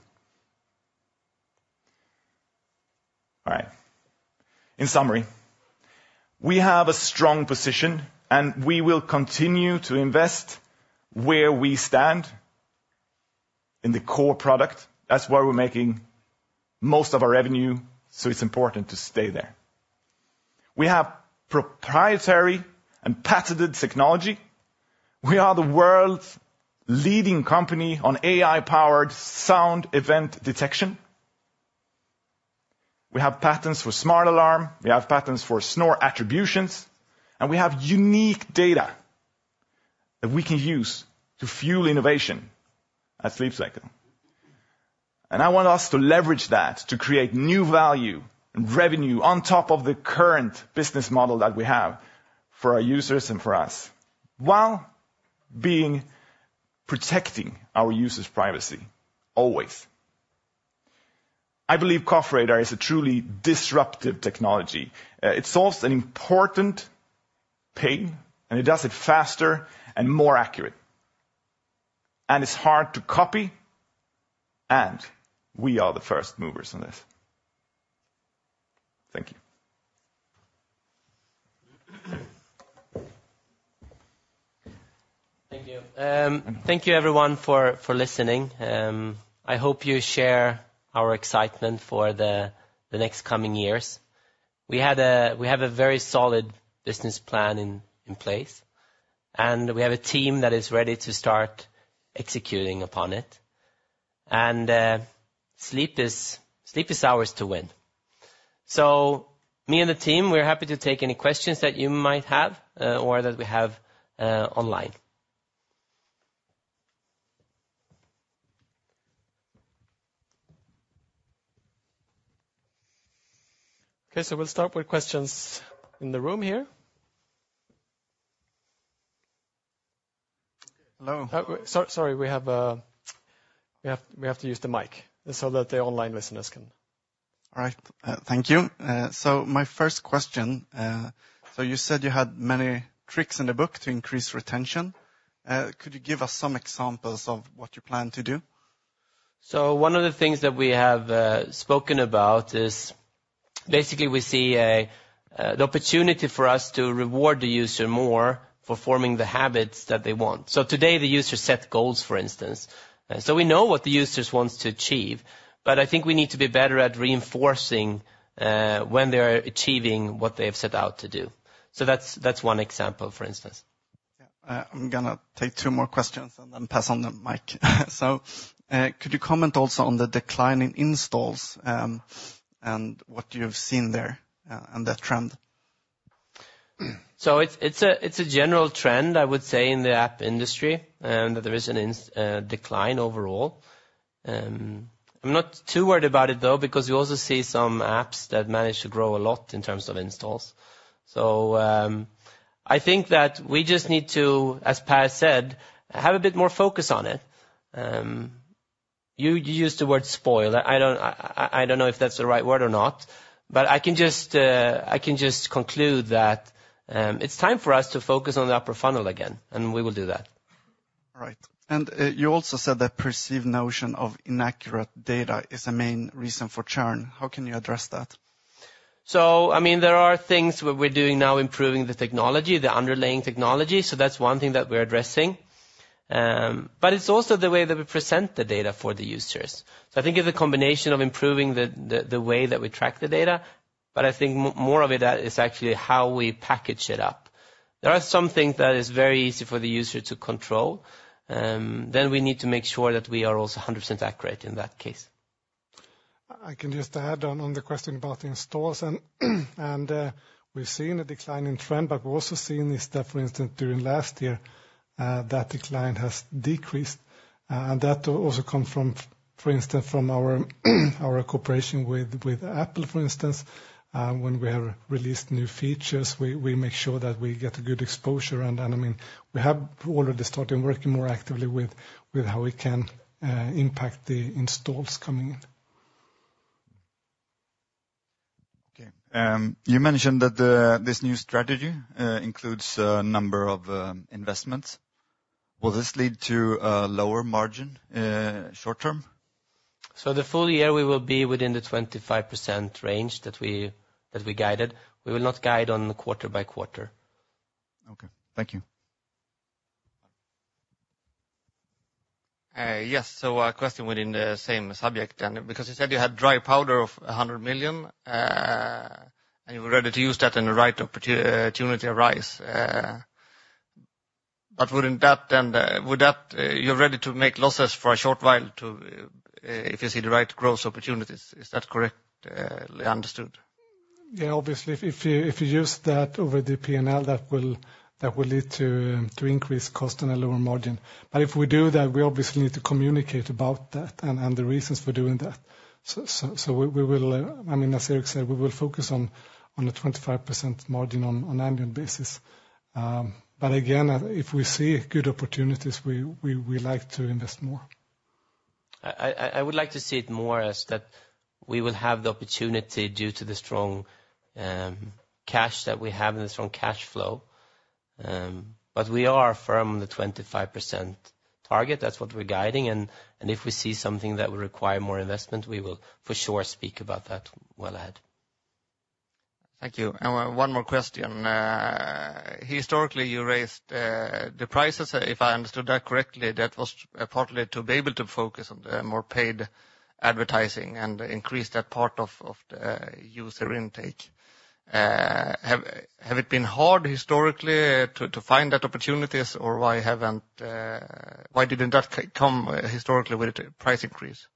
In summary, we have a strong position, and we will continue to invest where we stand in the core product. That's where we're making most of our revenue, so it's important to stay there. We have proprietary and patented technology. We are the world's leading company on AI-powered sound event detection. We have patents for Smart Alarm, we have patents for Snore Attribution, and we have unique data that we can use to fuel innovation at Sleep Cycle. I want us to leverage that to create new value and revenue on top of the current business model that we have for our users and for us while protecting our users' privacy, always. I believe Cough Radar is a truly disruptive technology. It solves an important pain, and it does it faster and more accurate. It's hard to copy, and we are the first movers on this. Thank you. Thank you. Thank you, everyone, for listening. I hope you share our excitement for the next coming years. We have a very solid business plan in place, and we have a team that is ready to start executing upon it. Sleep is ours to win. Me and the team, we're happy to take any questions that you might have or that we have online. We'll start with questions in the room here. Hello. Sorry, we have to use the mic so that the online listeners can. Thank you. My first question, you said you had many tricks in the book to increase retention. Could you give us some examples of what you plan to do? One of the things that we have spoken about is basically we see the opportunity for us to reward the user more for forming the habits that they want. Today, the user set goals, for instance. We know what the user wants to achieve, but I think we need to be better at reinforcing when they are achieving what they have set out to do. That's one example, for instance. I'm going to take two more questions and then pass on the mic. Could you comment also on the decline in installs and what you've seen there and that trend? It's a general trend, I would say, in the app industry that there is a decline overall. I'm not too worried about it, though, because you also see some apps that manage to grow a lot in terms of installs. I think that we just need to, as Per said, have a bit more focus on it. You used the word spoil. I don't know if that's the right word or not, but I can just conclude that it's time for us to focus on the upper funnel again, and we will do that. You also said that perceived notion of inaccurate data is a main reason for churn. How can you address that? There are things we're doing now improving the underlying technology. That's one thing that we're addressing. But it's also the way that we present the data for the users. I think it's a combination of improving the way that we track the data, but I think more of it is actually how we package it up. There are some things that are very easy for the user to control. Then we need to make sure that we are also 100% accurate in that case. I can just add on the question about the installs. We've seen a decline in trend, but we've also seen this step, for instance, during last year. That decline has decreased. That also comes from, for instance, our cooperation with Apple, for instance. When we have released new features, we make sure that we get a good exposure. We have already started working more actively with how we can impact the installs coming in. You mentioned that this new strategy includes a number of investments. Will this lead to a lower margin short term? The full year, we will be within the 25% range that we guided. We will not guide on quarter by quarter. Thank you. Yes, a question within the same subject. Because you said you had dry powder of 100 million, and you were ready to use that and the right opportunity arise. But wouldn't that then you're ready to make losses for a short while if you see the right growth opportunities. Is that correctly understood? Yeah, obviously. If you use that over the P&L, that will lead to increased cost and a lower margin. But if we do that, we obviously need to communicate about that and the reasons for doing that. As Erik said, we will focus on a 25% margin on an annual basis. But again, if we see good opportunities, we like to invest more. I would like to see it more as that we will have the opportunity due to the strong cash that we have and the strong cash flow. But we are firm on the 25% target. That's what we're guiding. If we see something that will require more investment, we will for sure speak about that well ahead. Thank you. One more question. Historically, you raised the prices. If I understood that correctly, that was partly to be able to focus on the more paid advertising and increase that part of the user intake. Have it been hard historically to find that opportunities, or why didn't that come historically with the price increase?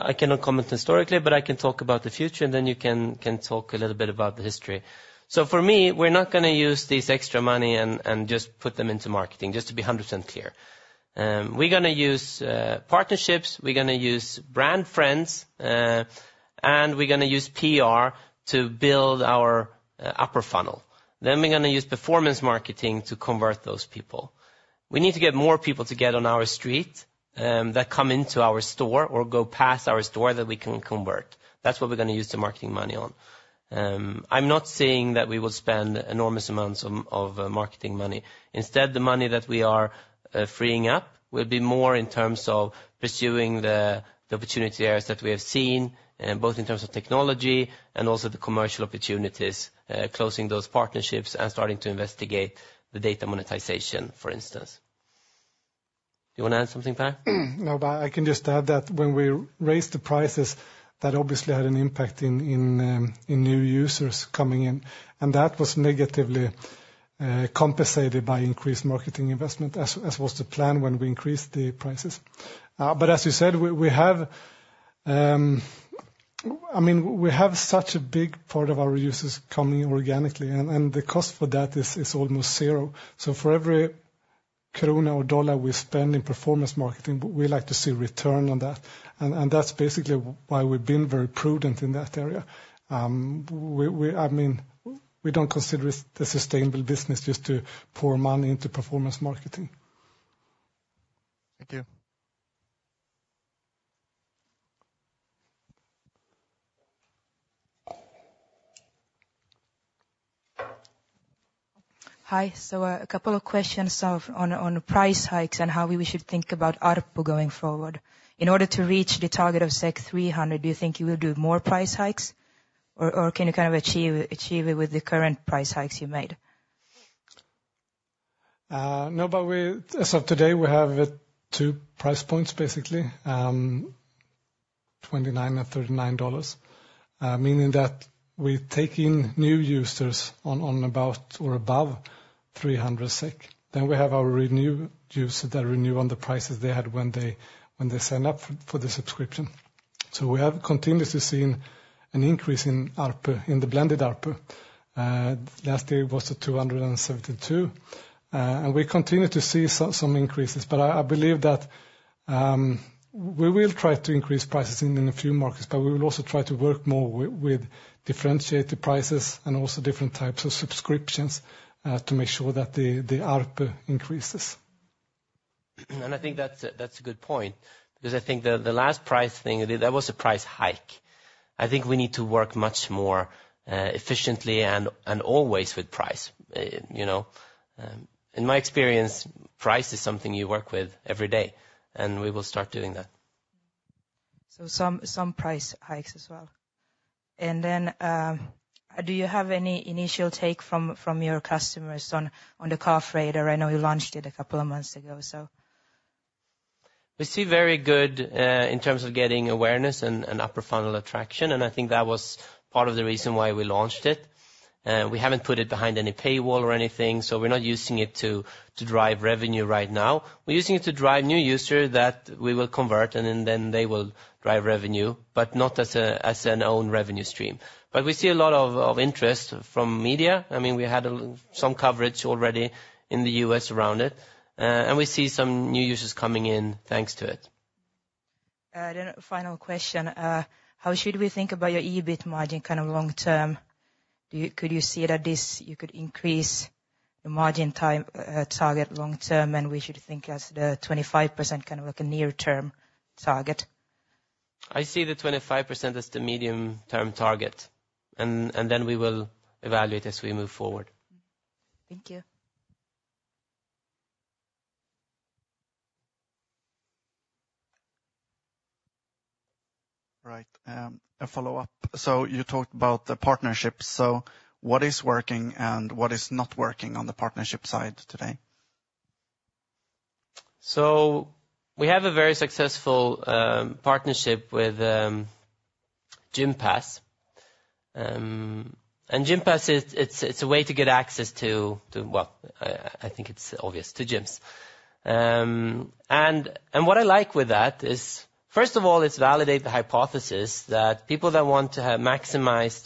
I cannot comment historically, but I can talk about the future, and then you can talk a little bit about the history. For me, we're not going to use this extra money and just put them into marketing, just to be 100% clear. We're going to use partnerships, we're going to use brand friends, and we're going to use PR to build our upper funnel. Then we're going to use performance marketing to convert those people. We need to get more people together on our street that come into our store or go past our store that we can convert. That's what we're going to use the marketing money on. I'm not saying that we will spend enormous amounts of marketing money. Instead, the money that we are freeing up will be more in terms of pursuing the opportunity areas that we have seen, both in terms of technology and also the commercial opportunities, closing those partnerships and starting to investigate the data monetization, for instance. Do you want to add something, Per? No, but I can just add that when we raised the prices, that obviously had an impact in new users coming in. That was negatively compensated by increased marketing investment, as was the plan when we increased the prices. But as you said, we have such a big part of our users coming organically, and the cost for that is almost zero. For every krona or dollar we spend in performance marketing, we like to see return on that. That's basically why we've been very prudent in that area. We don't consider it a sustainable business just to pour money into performance marketing. Thank you. Hi. A couple of questions on price hikes and how we should think about ARPU going forward. In order to reach the target of 300, do you think you will do more price hikes, or can you achieve it with the current price hikes you made? As of today, we have two price points, basically. $29 and $39. Meaning that we take in new users on about or above 300 SEK. Then we have our renewed users that renew on the prices they had when they sign up for the subscription. We have continuously seen an increase in the blended ARPU. Last year, it was at 272 SEK. We continue to see some increases, but I believe that we will try to increase prices in a few markets, but we will also try to work more with differentiated prices and also different types of subscriptions to make sure that the ARPU increases. I think that's a good point. I think the last price thing, that was a price hike. I think we need to work much more efficiently and always with price. In my experience, price is something you work with every day, and we will start doing that. Some price hikes as well. Then, do you have any initial take from your customers on the Cough Radar? I know you launched it a couple of months ago. We see very good in terms of getting awareness and upper funnel attraction, and I think that was part of the reason why we launched it. We haven't put it behind any paywall or anything, so we're not using it to drive revenue right now. We're using it to drive new users that we will convert, and then they will drive revenue, but not as an own revenue stream. But we see a lot of interest from media. We had some coverage already in the U.S. around it, and we see some new users coming in thanks to it. Final question. How should we think about your EBIT margin kind of long term? Could you see that you could increase the margin target long term, and we should think as the 25% kind of like a near-term target? I see the 25% as the medium-term target, and then we will evaluate as we move forward. Thank you. A follow-up. You talked about the partnerships. What is working and what is not working on the partnership side today? We have a very successful partnership with Gympass. Gympass, it's a way to get access to, well, I think it's obvious, to gyms. What I like with that is, first of all, it's validated the hypothesis that people that want to maximize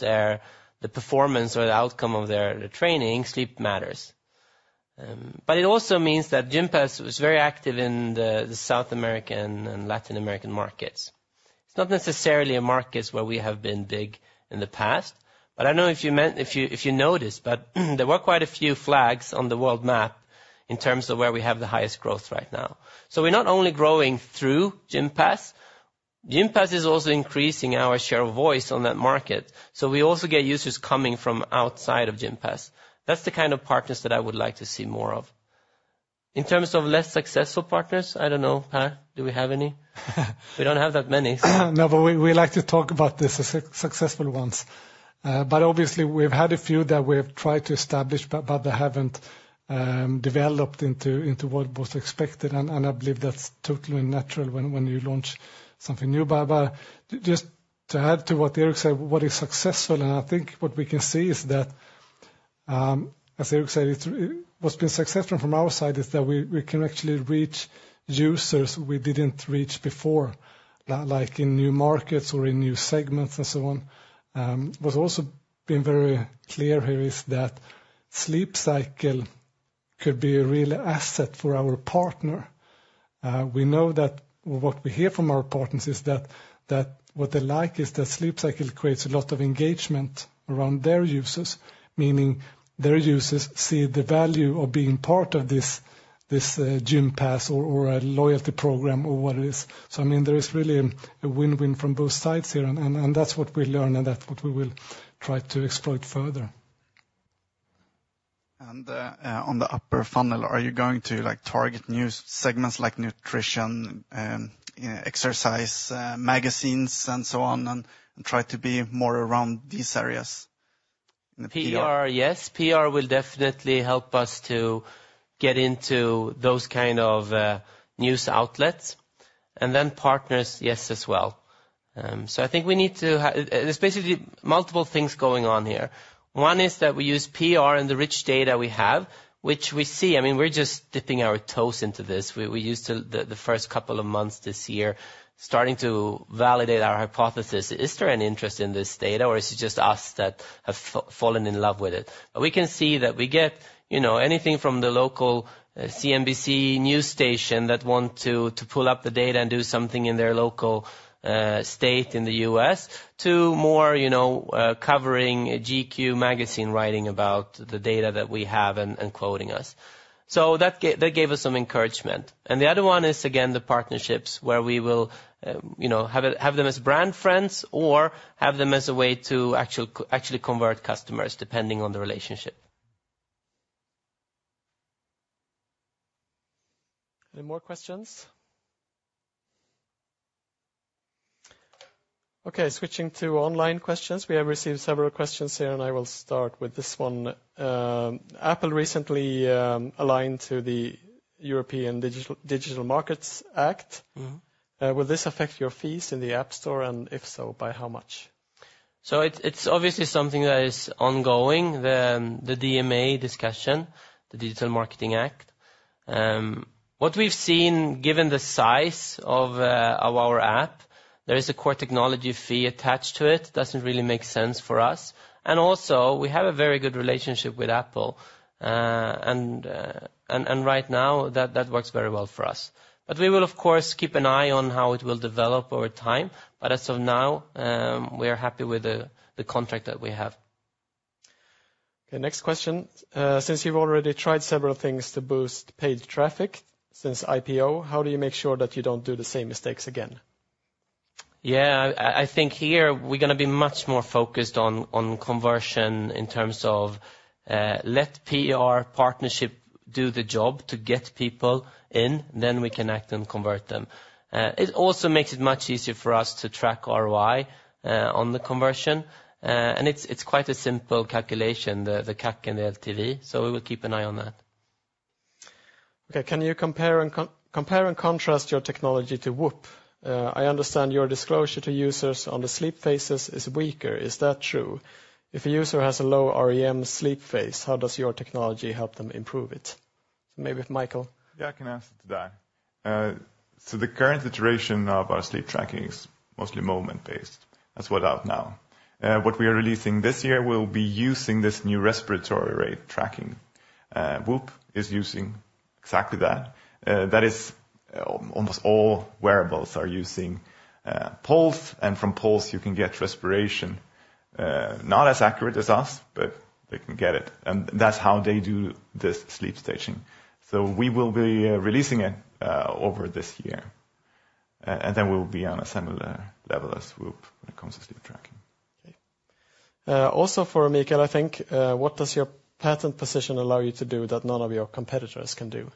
the performance or the outcome of their training, sleep matters. But it also means that Gympass was very active in the South American and Latin American markets. It's not necessarily a market where we have been big in the past, but I don't know if you noticed, but there were quite a few flags on the world map in terms of where we have the highest growth right now. We're not only growing through Gympass. Gympass is also increasing our share of voice on that market, so we also get users coming from outside of Gympass. That's the kind of partners that I would like to see more of. In terms of less successful partners, I don't know, Per. Do we have any? We don't have that many. No, but we like to talk about the successful ones. But obviously, we've had a few that we've tried to establish, but they haven't developed into what was expected, and I believe that's totally natural when you launch something new. But just to add to what Erik said, what is successful, and I think what we can see is that, as Erik said, what's been successful from our side is that we can actually reach users we didn't reach before, like in new markets or in new segments and so on. What's also been very clear here is that Sleep Cycle could be a real asset for our partner. We know that what we hear from our partners is that what they like is that Sleep Cycle creates a lot of engagement around their users, meaning their users see the value of being part of this Gympass or a loyalty program or what it is. There is really a win-win from both sides here, and that's what we learn and that's what we will try to exploit further. On the upper funnel, are you going to target new segments like nutrition, exercise, magazines, and so on, and try to be more around these areas? PR, yes. PR will definitely help us to get into those kinds of news outlets. Then partners, yes as well. I think we need to. There's basically multiple things going on here. One is that we use PR and the rich data we have, which we see. We're just dipping our toes into this. We used to, the first couple of months this year, starting to validate our hypothesis. Is there an interest in this data, or is it just us that have fallen in love with it? We can see that we get anything from the local CNBC news station that want to pull up the data and do something in their local state in the U.S., to more covering GQ magazine writing about the data that we have and quoting us. That gave us some encouragement. The other one is, again, the partnerships where we will have them as brand friends or have them as a way to actually convert customers depending on the relationship. Any more questions? Okay, switching to online questions. We have received several questions here, and I will start with this one. Apple recently aligned to the European Digital Markets Act. Will this affect your fees in the App Store, and if so, by how much? It's obviously something that is ongoing, the DMA discussion, the Digital Markets Act. What we've seen, given the size of our app, there is a Core Technology Fee attached to it. It doesn't really make sense for us. Also, we have a very good relationship with Apple, and right now, that works very well for us. But we will, of course, keep an eye on how it will develop over time, but as of now, we are happy with the contract that we have. Next question. Since you've already tried several things to boost paid traffic since IPO, how do you make sure that you don't do the same mistakes again? Yeah, I think here we're going to be much more focused on conversion in terms of let PR partnership do the job to get people in, then we can act and convert them. It also makes it much easier for us to track ROI on the conversion. It's quite a simple calculation, the CAC and the LTV, so we will keep an eye on that. Can you compare and contrast your technology to Whoop? I understand your disclosure to users on the sleep phases is weaker. Is that true? If a user has a low REM sleep phase, how does your technology help them improve it? Maybe if Michael? Yeah, I can answer to that. The current iteration of our sleep tracking is mostly moment-based. That's what's out now. What we are releasing this year will be using this new respiratory rate tracking. Whoop is using exactly that. That is, almost all wearables are using pulse, and from pulse, you can get respiration. Not as accurate as us, but they can get it. That's how they do this sleep staging. We will be releasing it over this year, and then we'll be on a similar level as Whoop when it comes to sleep tracking. Also, for Mikael, I think, what does your patent position allow you to do that none of your competitors can do?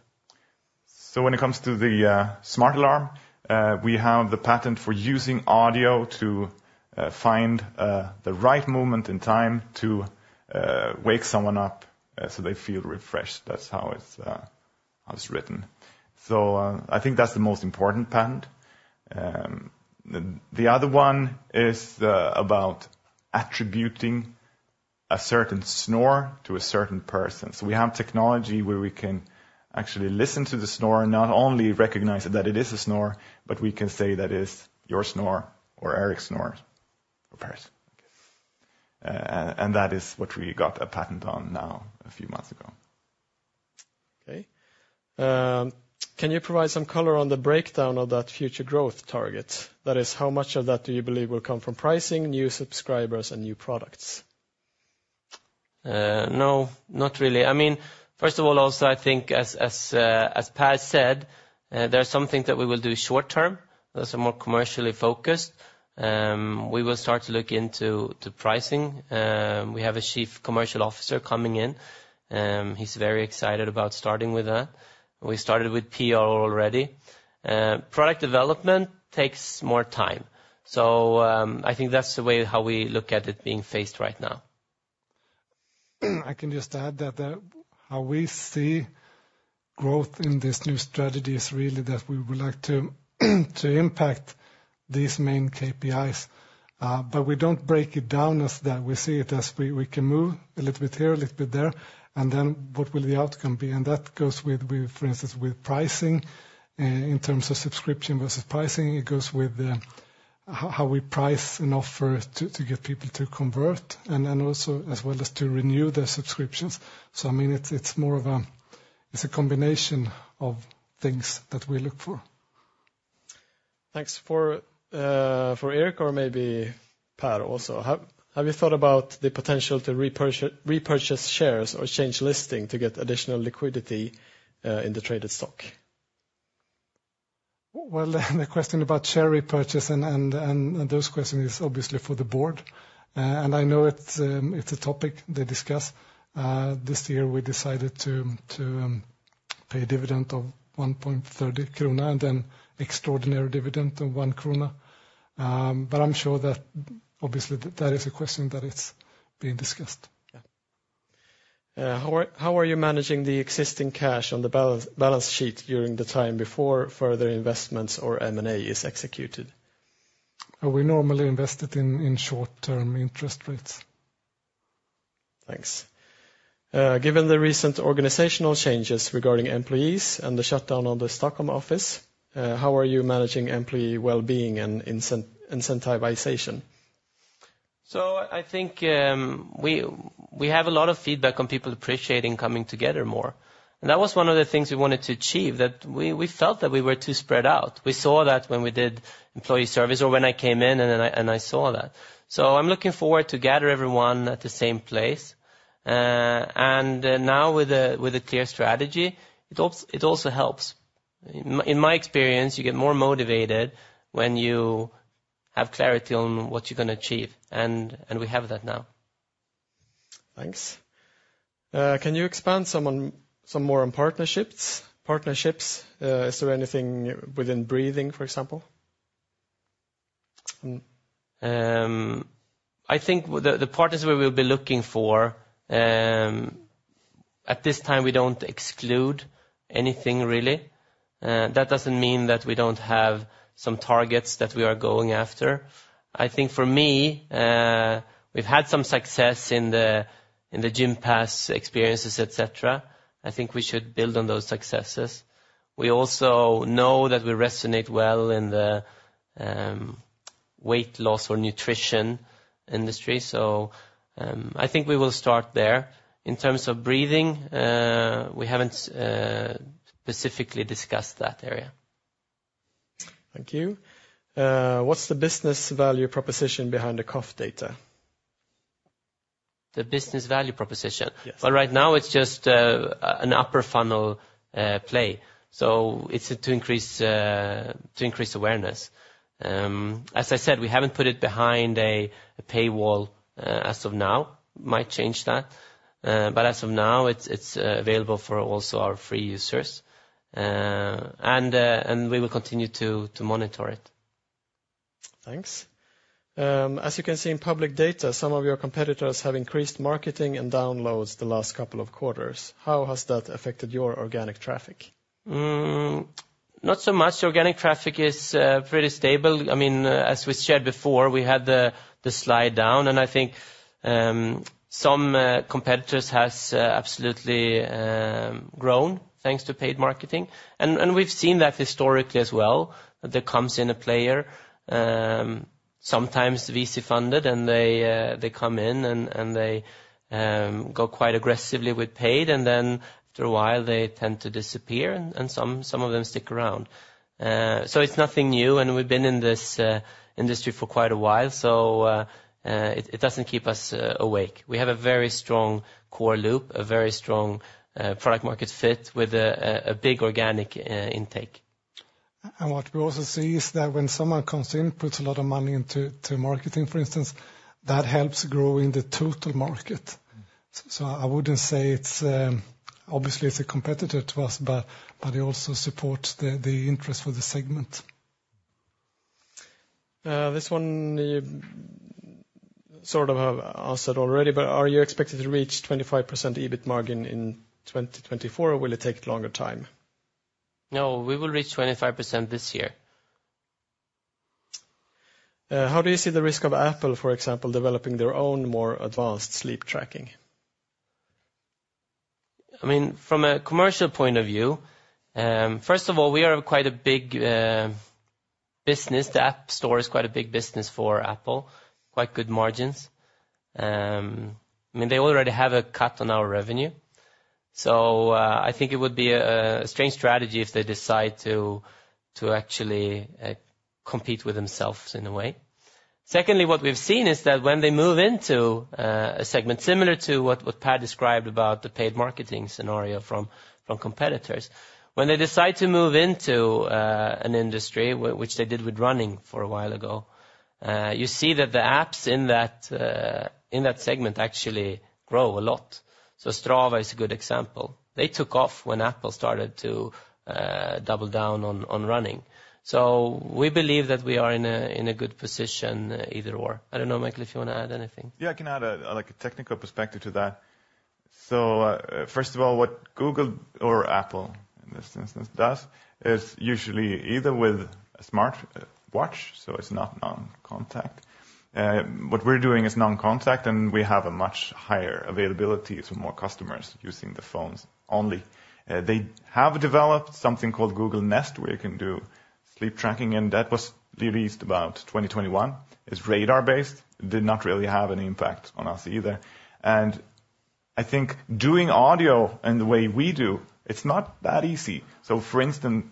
When it comes to the Smart Alarm, we have the patent for using audio to find the right moment in time to wake someone up so they feel refreshed. That's how it's written. I think that's the most important patent. The other one is about attributing a certain snore to a certain person. We have technology where we can actually listen to the snore, not only recognize that it is a snore, but we can say that is your snore or Erik's snore or Per's. That is what we got a patent on now a few months ago. Can you provide some color on the breakdown of that future growth target? That is, how much of that do you believe will come from pricing, new subscribers, and new products? No, not really. First of all, also, I think, as Per said, there's something that we will do short term. That's a more commercially focused. We will start to look into pricing. We have a chief commercial officer coming in. He's very excited about starting with that. We started with PR already. Product development takes more time. I think that's how we look at it being faced right now. I can just add that how we see growth in this new strategy is really that we would like to impact these main KPIs. But we don't break it down as that. We see it as we can move a little bit here, a little bit there, and then what will the outcome be? That goes with, for instance, with pricing. In terms of subscription versus pricing, it goes with how we price an offer to get people to convert, and also as well as to renew their subscriptions. It's more of a combination of things that we look for. Thanks. For Erik or maybe Per also, have you thought about the potential to repurchase shares or change listing to get additional liquidity in the traded stock? Well, the question about share repurchase and those questions is obviously for the board. I know it's a topic they discuss. This year, we decided to pay a dividend of 1.30 krona and then extraordinary dividend of 1 krona. But I'm sure that, obviously, that is a question that is being discussed. How are you managing the existing cash on the balance sheet during the time before further investments or M&A is executed? We normally invest it in short-term interest rates. Thanks. Given the recent organizational changes regarding employees and the shutdown of the Stockholm office, how are you managing employee well-being and incentivization? I think we have a lot of feedback on people appreciating coming together more. That was one of the things we wanted to achieve, that we felt that we were too spread out. We saw that when we did employee survey or when I came in and I saw that. I'm looking forward to gather everyone at the same place. Now, with a clear strategy, it also helps. In my experience, you get more motivated when you have clarity on what you're going to achieve, and we have that now. Thanks. Can you expand some more on partnerships? Is there anything within breathing, for example? I think the partners we will be looking for, at this time, we don't exclude anything, really. That doesn't mean that we don't have some targets that we are going after. I think, for me, we've had some success in the Gympass experiences, et cetera. I think we should build on those successes. We also know that we resonate well in the weight loss or nutrition industry. I think we will start there. In terms of breathing, we haven't specifically discussed that area. Thank you. What's the business value proposition behind the cough data? The business value proposition? Right now, it's just an Upper Funnel play. It's to increase awareness. As I said, we haven't put it behind a paywall as of now. Might change that. But as of now, it's available for also our free users. We will continue to monitor it. Thanks. As you can see in public data, some of your competitors have increased marketing and downloads the last couple of quarters. How has that affected your organic traffic? Not so much. Organic traffic is pretty stable. As we shared before, we had the slide down, and I think some competitors have absolutely grown thanks to paid marketing. We've seen that historically as well. There comes in a player, sometimes VC-funded, and they come in and they go quite aggressively with paid, and then after a while, they tend to disappear, and some of them stick around. It's nothing new, and we've been in this industry for quite a while, so it doesn't keep us awake. We have a very strong core loop, a very strong product-market fit with a big organic intake. What we also see is that when someone comes in, puts a lot of money into marketing, for instance, that helps grow in the total market. I wouldn't say it's obviously a competitor to us, but it also supports the interest for the segment. This one you sort of have answered already, but are you expected to reach 25% EBIT margin in 2024, or will it take longer time? No, we will reach 25% this year. How do you see the risk of Apple, for example, developing their own more advanced sleep tracking? From a commercial point of view, first of all, we are quite a big business. The App Store is quite a big business for Apple, quite good margins. They already have a cut on our revenue. I think it would be a strange strategy if they decide to actually compete with themselves in a way. Secondly, what we've seen is that when they move into a segment similar to what Per described about the paid marketing scenario from competitors, when they decide to move into an industry, which they did with running for a while ago, you see that the apps in that segment actually grow a lot. Strava is a good example. They took off when Apple started to double down on running. We believe that we are in a good position either or. I don't know, Michael, if you want to add anything? Yeah, I can add a technical perspective to that. First of all, what Google or Apple in this instance does is usually either with a smartwatch, so it's not non-contact. What we're doing is non-contact, and we have a much higher availability to more customers using the phones only. They have developed something called Google Nest where you can do sleep tracking, and that was released about 2021. It's radar-based. Did not really have an impact on us either. I think doing audio in the way we do, it's not that easy. For instance,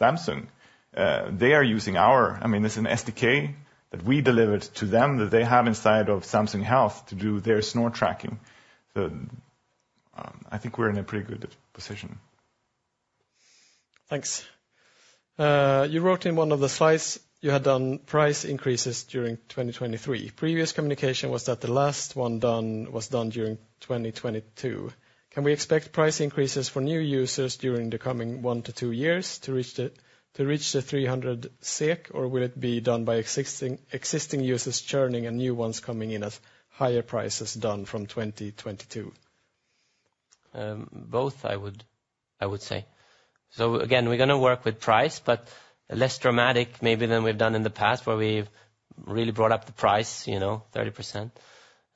Samsung, they are using our. I mean, this is an SDK that we delivered to them that they have inside of Samsung Health to do their snore tracking. I think we're in a pretty good position. Thanks. You wrote in one of the slides you had done price increases during 2023. Previous communication was that the last one was done during 2022. Can we expect price increases for new users during the coming one to two years to reach the 300 SEK, or will it be done by existing users churning and new ones coming in at higher prices done from 2022? Both, I would say. Again, we're going to work with price, but less dramatic maybe than we've done in the past where we've really brought up the price 30%.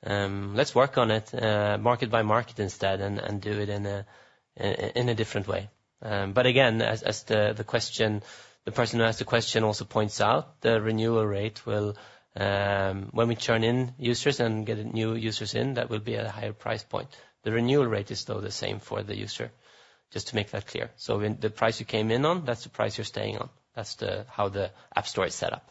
Let's work on it market by market instead and do it in a different way. But again, as the person who asked the question also points out, the renewal rate will. When we churn in users and get new users in, that will be at a higher price point. The renewal rate is still the same for the user, just to make that clear. The price you came in on, that's the price you're staying on. That's how the App Store is set up.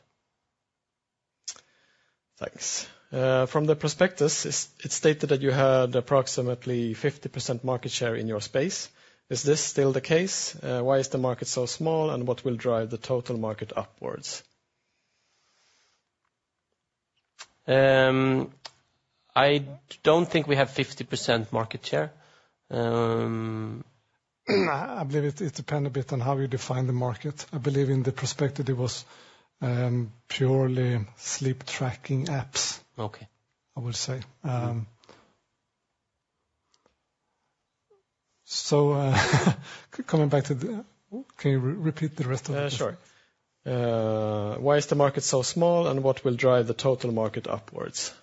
Thanks. From the prospectus, it's stated that you had approximately 50% market share in your space. Is this still the case? Why is the market so small, and what will drive the total market upwards? I don't think we have 50% market share. I believe it depends a bit on how you define the market. I believe, in the prospectus, it was purely sleep tracking apps, I would say. Coming back to the, can you repeat the rest of the question? Sure. Why is the market so small, and what will drive the total market upwards?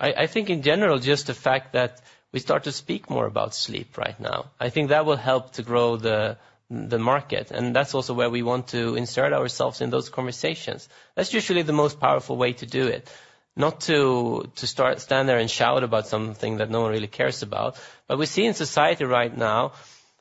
I think, in general, just the fact that we start to speak more about sleep right now. I think that will help to grow the market, and that's also where we want to insert ourselves in those conversations. That's usually the most powerful way to do it, not to stand there and shout about something that no one really cares about. But we see in society right now,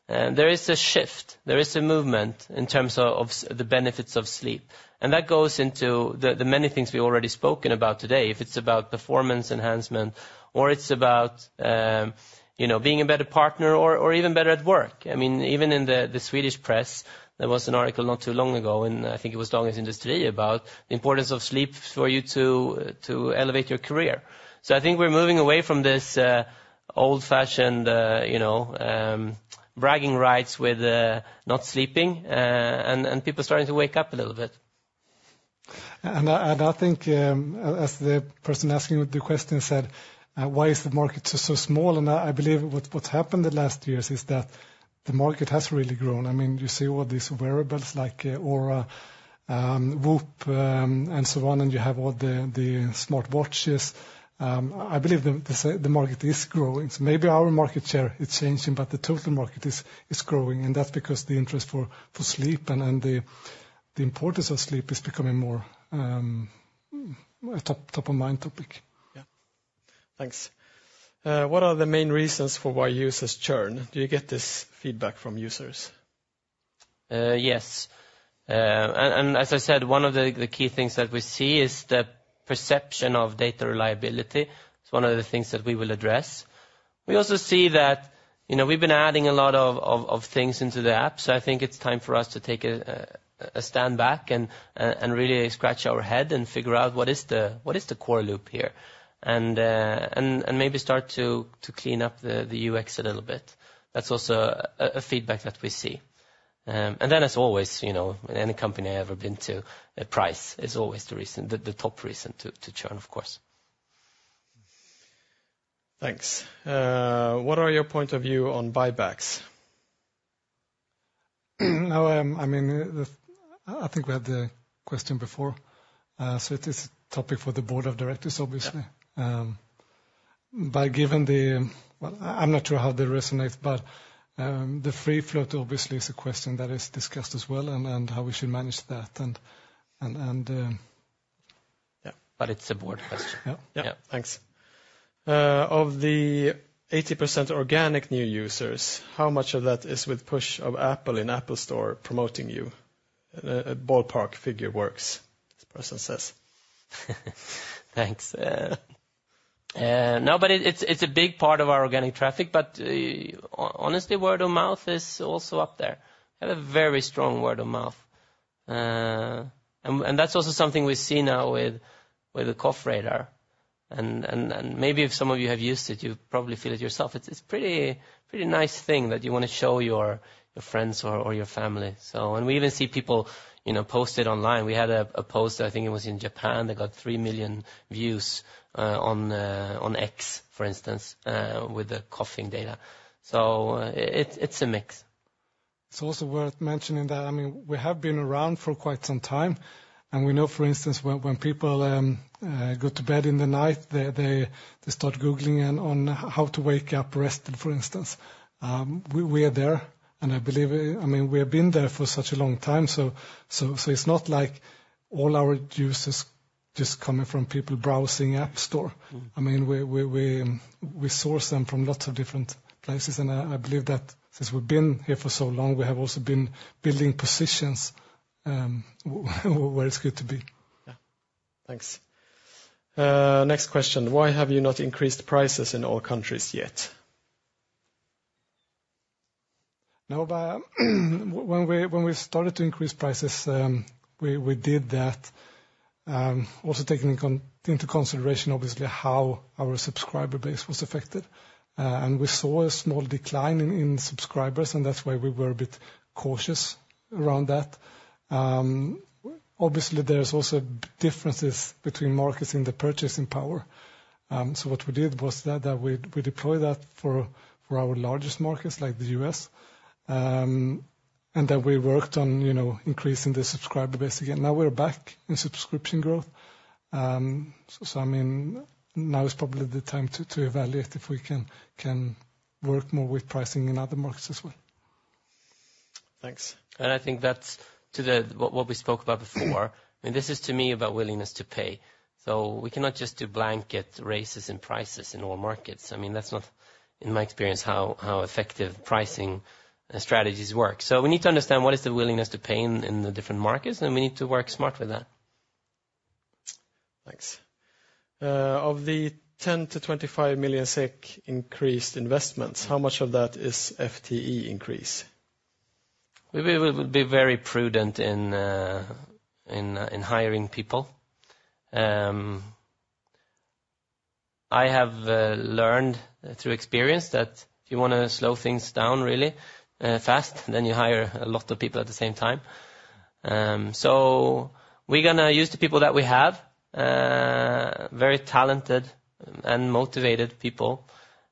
there is a shift. There is a movement in terms of the benefits of sleep. That goes into the many things we've already spoken about today, if it's about performance enhancement or it's about being a better partner or even better at work. Even in the Swedish press, there was an article not too long ago, and I think it was Dagens Industri, about the importance of sleep for you to elevate your career. I think we're moving away from this old-fashioned bragging rights with not sleeping and people starting to wake up a little bit. I think, as the person asking the question said, why is the market so small? I believe what's happened the last years is that the market has really grown. You see all these wearables like Oura, Whoop, and so on, and you have all the smartwatches. I believe the market is growing. Maybe our market share is changing, but the total market is growing, and that's because the interest for sleep and the importance of sleep is becoming more a top-of-mind topic. Thanks. What are the main reasons for why users churn? Do you get this feedback from users? Yes. As I said, one of the key things that we see is the perception of data reliability. It's one of the things that we will address. We also see that we've been adding a lot of things into the app, so I think it's time for us to take a stand back and really scratch our head and figure out what is the core loop here, and maybe start to clean up the UX a little bit. That's also a feedback that we see. Then, as always, in any company I ever been to, price is always the top reason to churn, of course. Thanks. What are your point of view on buybacks? I think we had the question before. It's a topic for the board of directors, obviously. I'm not sure how that resonates, but the free float, obviously, is a question that is discussed as well and how we should manage that. But it's a board question. Thanks. Of the 80% organic new users, how much of that is with push of Apple in App Store promoting you? A ballpark figure works, this person says. Thanks. No, but it's a big part of our organic traffic, but honestly, word of mouth is also up there. We have a very strong word of mouth. That's also something we see now with the Cough Radar. Maybe if some of you have used it, you probably feel it yourself. It's a pretty nice thing that you want to show your friends or your family. We even see people post it online. We had a post, I think it was in Japan, that got 3 million views on X, for instance, with the coughing data. It's a mix. It's also worth mentioning that we have been around for quite some time, and we know, for instance, when people go to bed in the night, they start Googling on how to wake up rested, for instance. We are there, and I believe we have been there for such a long time. It's not like all our users just come from people browsing App Store. We source them from lots of different places, and I believe that since we've been here for so long, we have also been building positions where it's good to be. Thanks. Next question. Why have you not increased prices in all countries yet? When we started to increase prices, we did that, also taking into consideration, obviously, how our subscriber base was affected. We saw a small decline in subscribers, and that's why we were a bit cautious around that. Obviously, there are also differences between markets in the purchasing power. What we did was that we deployed that for our largest markets, like the U.S., and that we worked on increasing the subscriber base again. Now we're back in subscription growth. Now is probably the time to evaluate if we can work more with pricing in other markets as well. Thanks. I think that's to what we spoke about before. This is, to me, about willingness to pay. We cannot just do blanket raises in prices in all markets. That's not, in my experience, how effective pricing strategies work. We need to understand what is the willingness to pay in the different markets, and we need to work smart with that. Thanks. Of the 10-25 million SEK increased investments, how much of that is FTE increase? We will be very prudent in hiring people. I have learned through experience that if you want to slow things down really fast, then you hire a lot of people at the same time. We're going to use the people that we have, very talented and motivated people,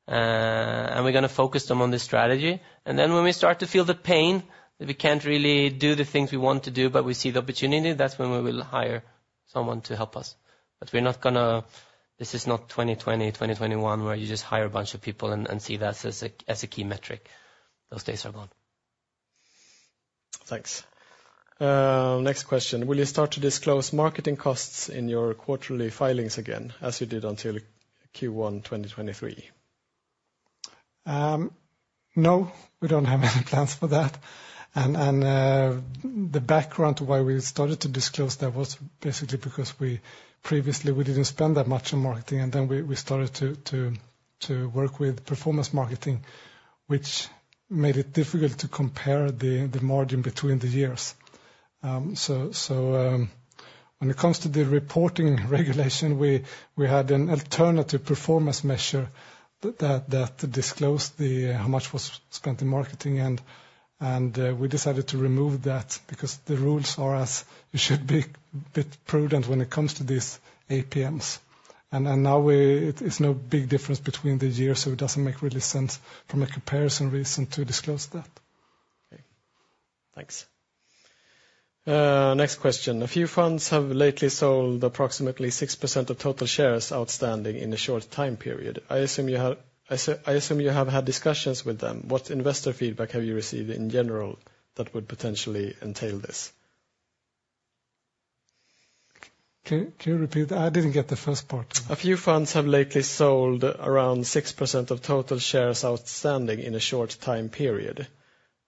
and we're going to focus them on this strategy. Then when we start to feel the pain that we can't really do the things we want to do, but we see the opportunity, that's when we will hire someone to help us. But this is not 2020, 2021, where you just hire a bunch of people and see that as a key metric. Those days are gone. Thanks. Next question. Will you start to disclose marketing costs in your quarterly filings again, as you did until Q1 2023? No, we don't have any plans for that. The background to why we started to disclose that was basically because previously we didn't spend that much on marketing, and then we started to work with performance marketing, which made it difficult to compare the margin between the years. When it comes to the reporting regulation, we had an alternative performance measure that disclosed how much was spent in marketing, and we decided to remove that because the rules are as you should be a bit prudent when it comes to these APMs. Now it's no big difference between the years, so it doesn't make really sense from a comparison reason to disclose that. Thanks. Next question. A few funds have lately sold approximately 6% of total shares outstanding in a short time period. I assume you have had discussions with them. What investor feedback have you received in general that would potentially entail this? Can you repeat that? I didn't get the first part. A few funds have lately sold around 6% of total shares outstanding in a short time period,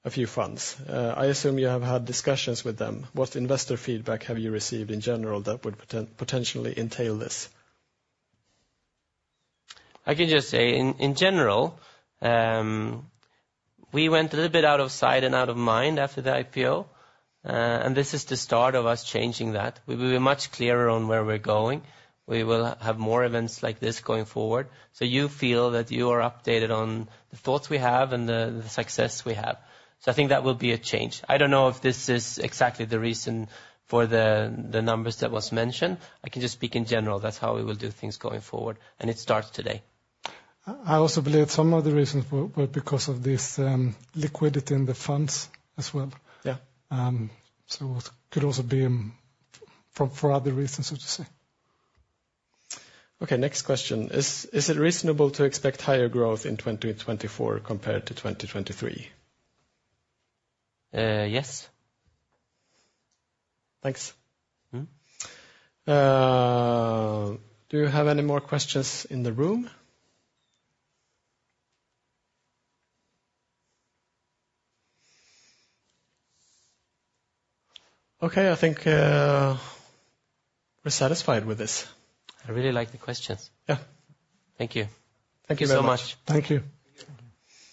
a few funds. I assume you have had discussions with them. What investor feedback have you received in general that would potentially entail this? I can just say, in general, we went a little bit out of sight and out of mind after the IPO, and this is the start of us changing that. We will be much clearer on where we're going. We will have more events like this going forward, so you feel that you are updated on the thoughts we have and the success we have. I think that will be a change. I don't know if this is exactly the reason for the numbers that were mentioned. I can just speak in general. That's how we will do things going forward, and it starts today. I also believe some of the reasons were because of this liquidity in the funds as well. It could also be for other reasons, so to say. Next question. Is it reasonable to expect higher growth in 2024 compared to 2023? Yes. Thanks. Do you have any more questions in the room? Okay, I think we're satisfied with this. I really liked the questions. Thank you. Thank you very much. Thank you.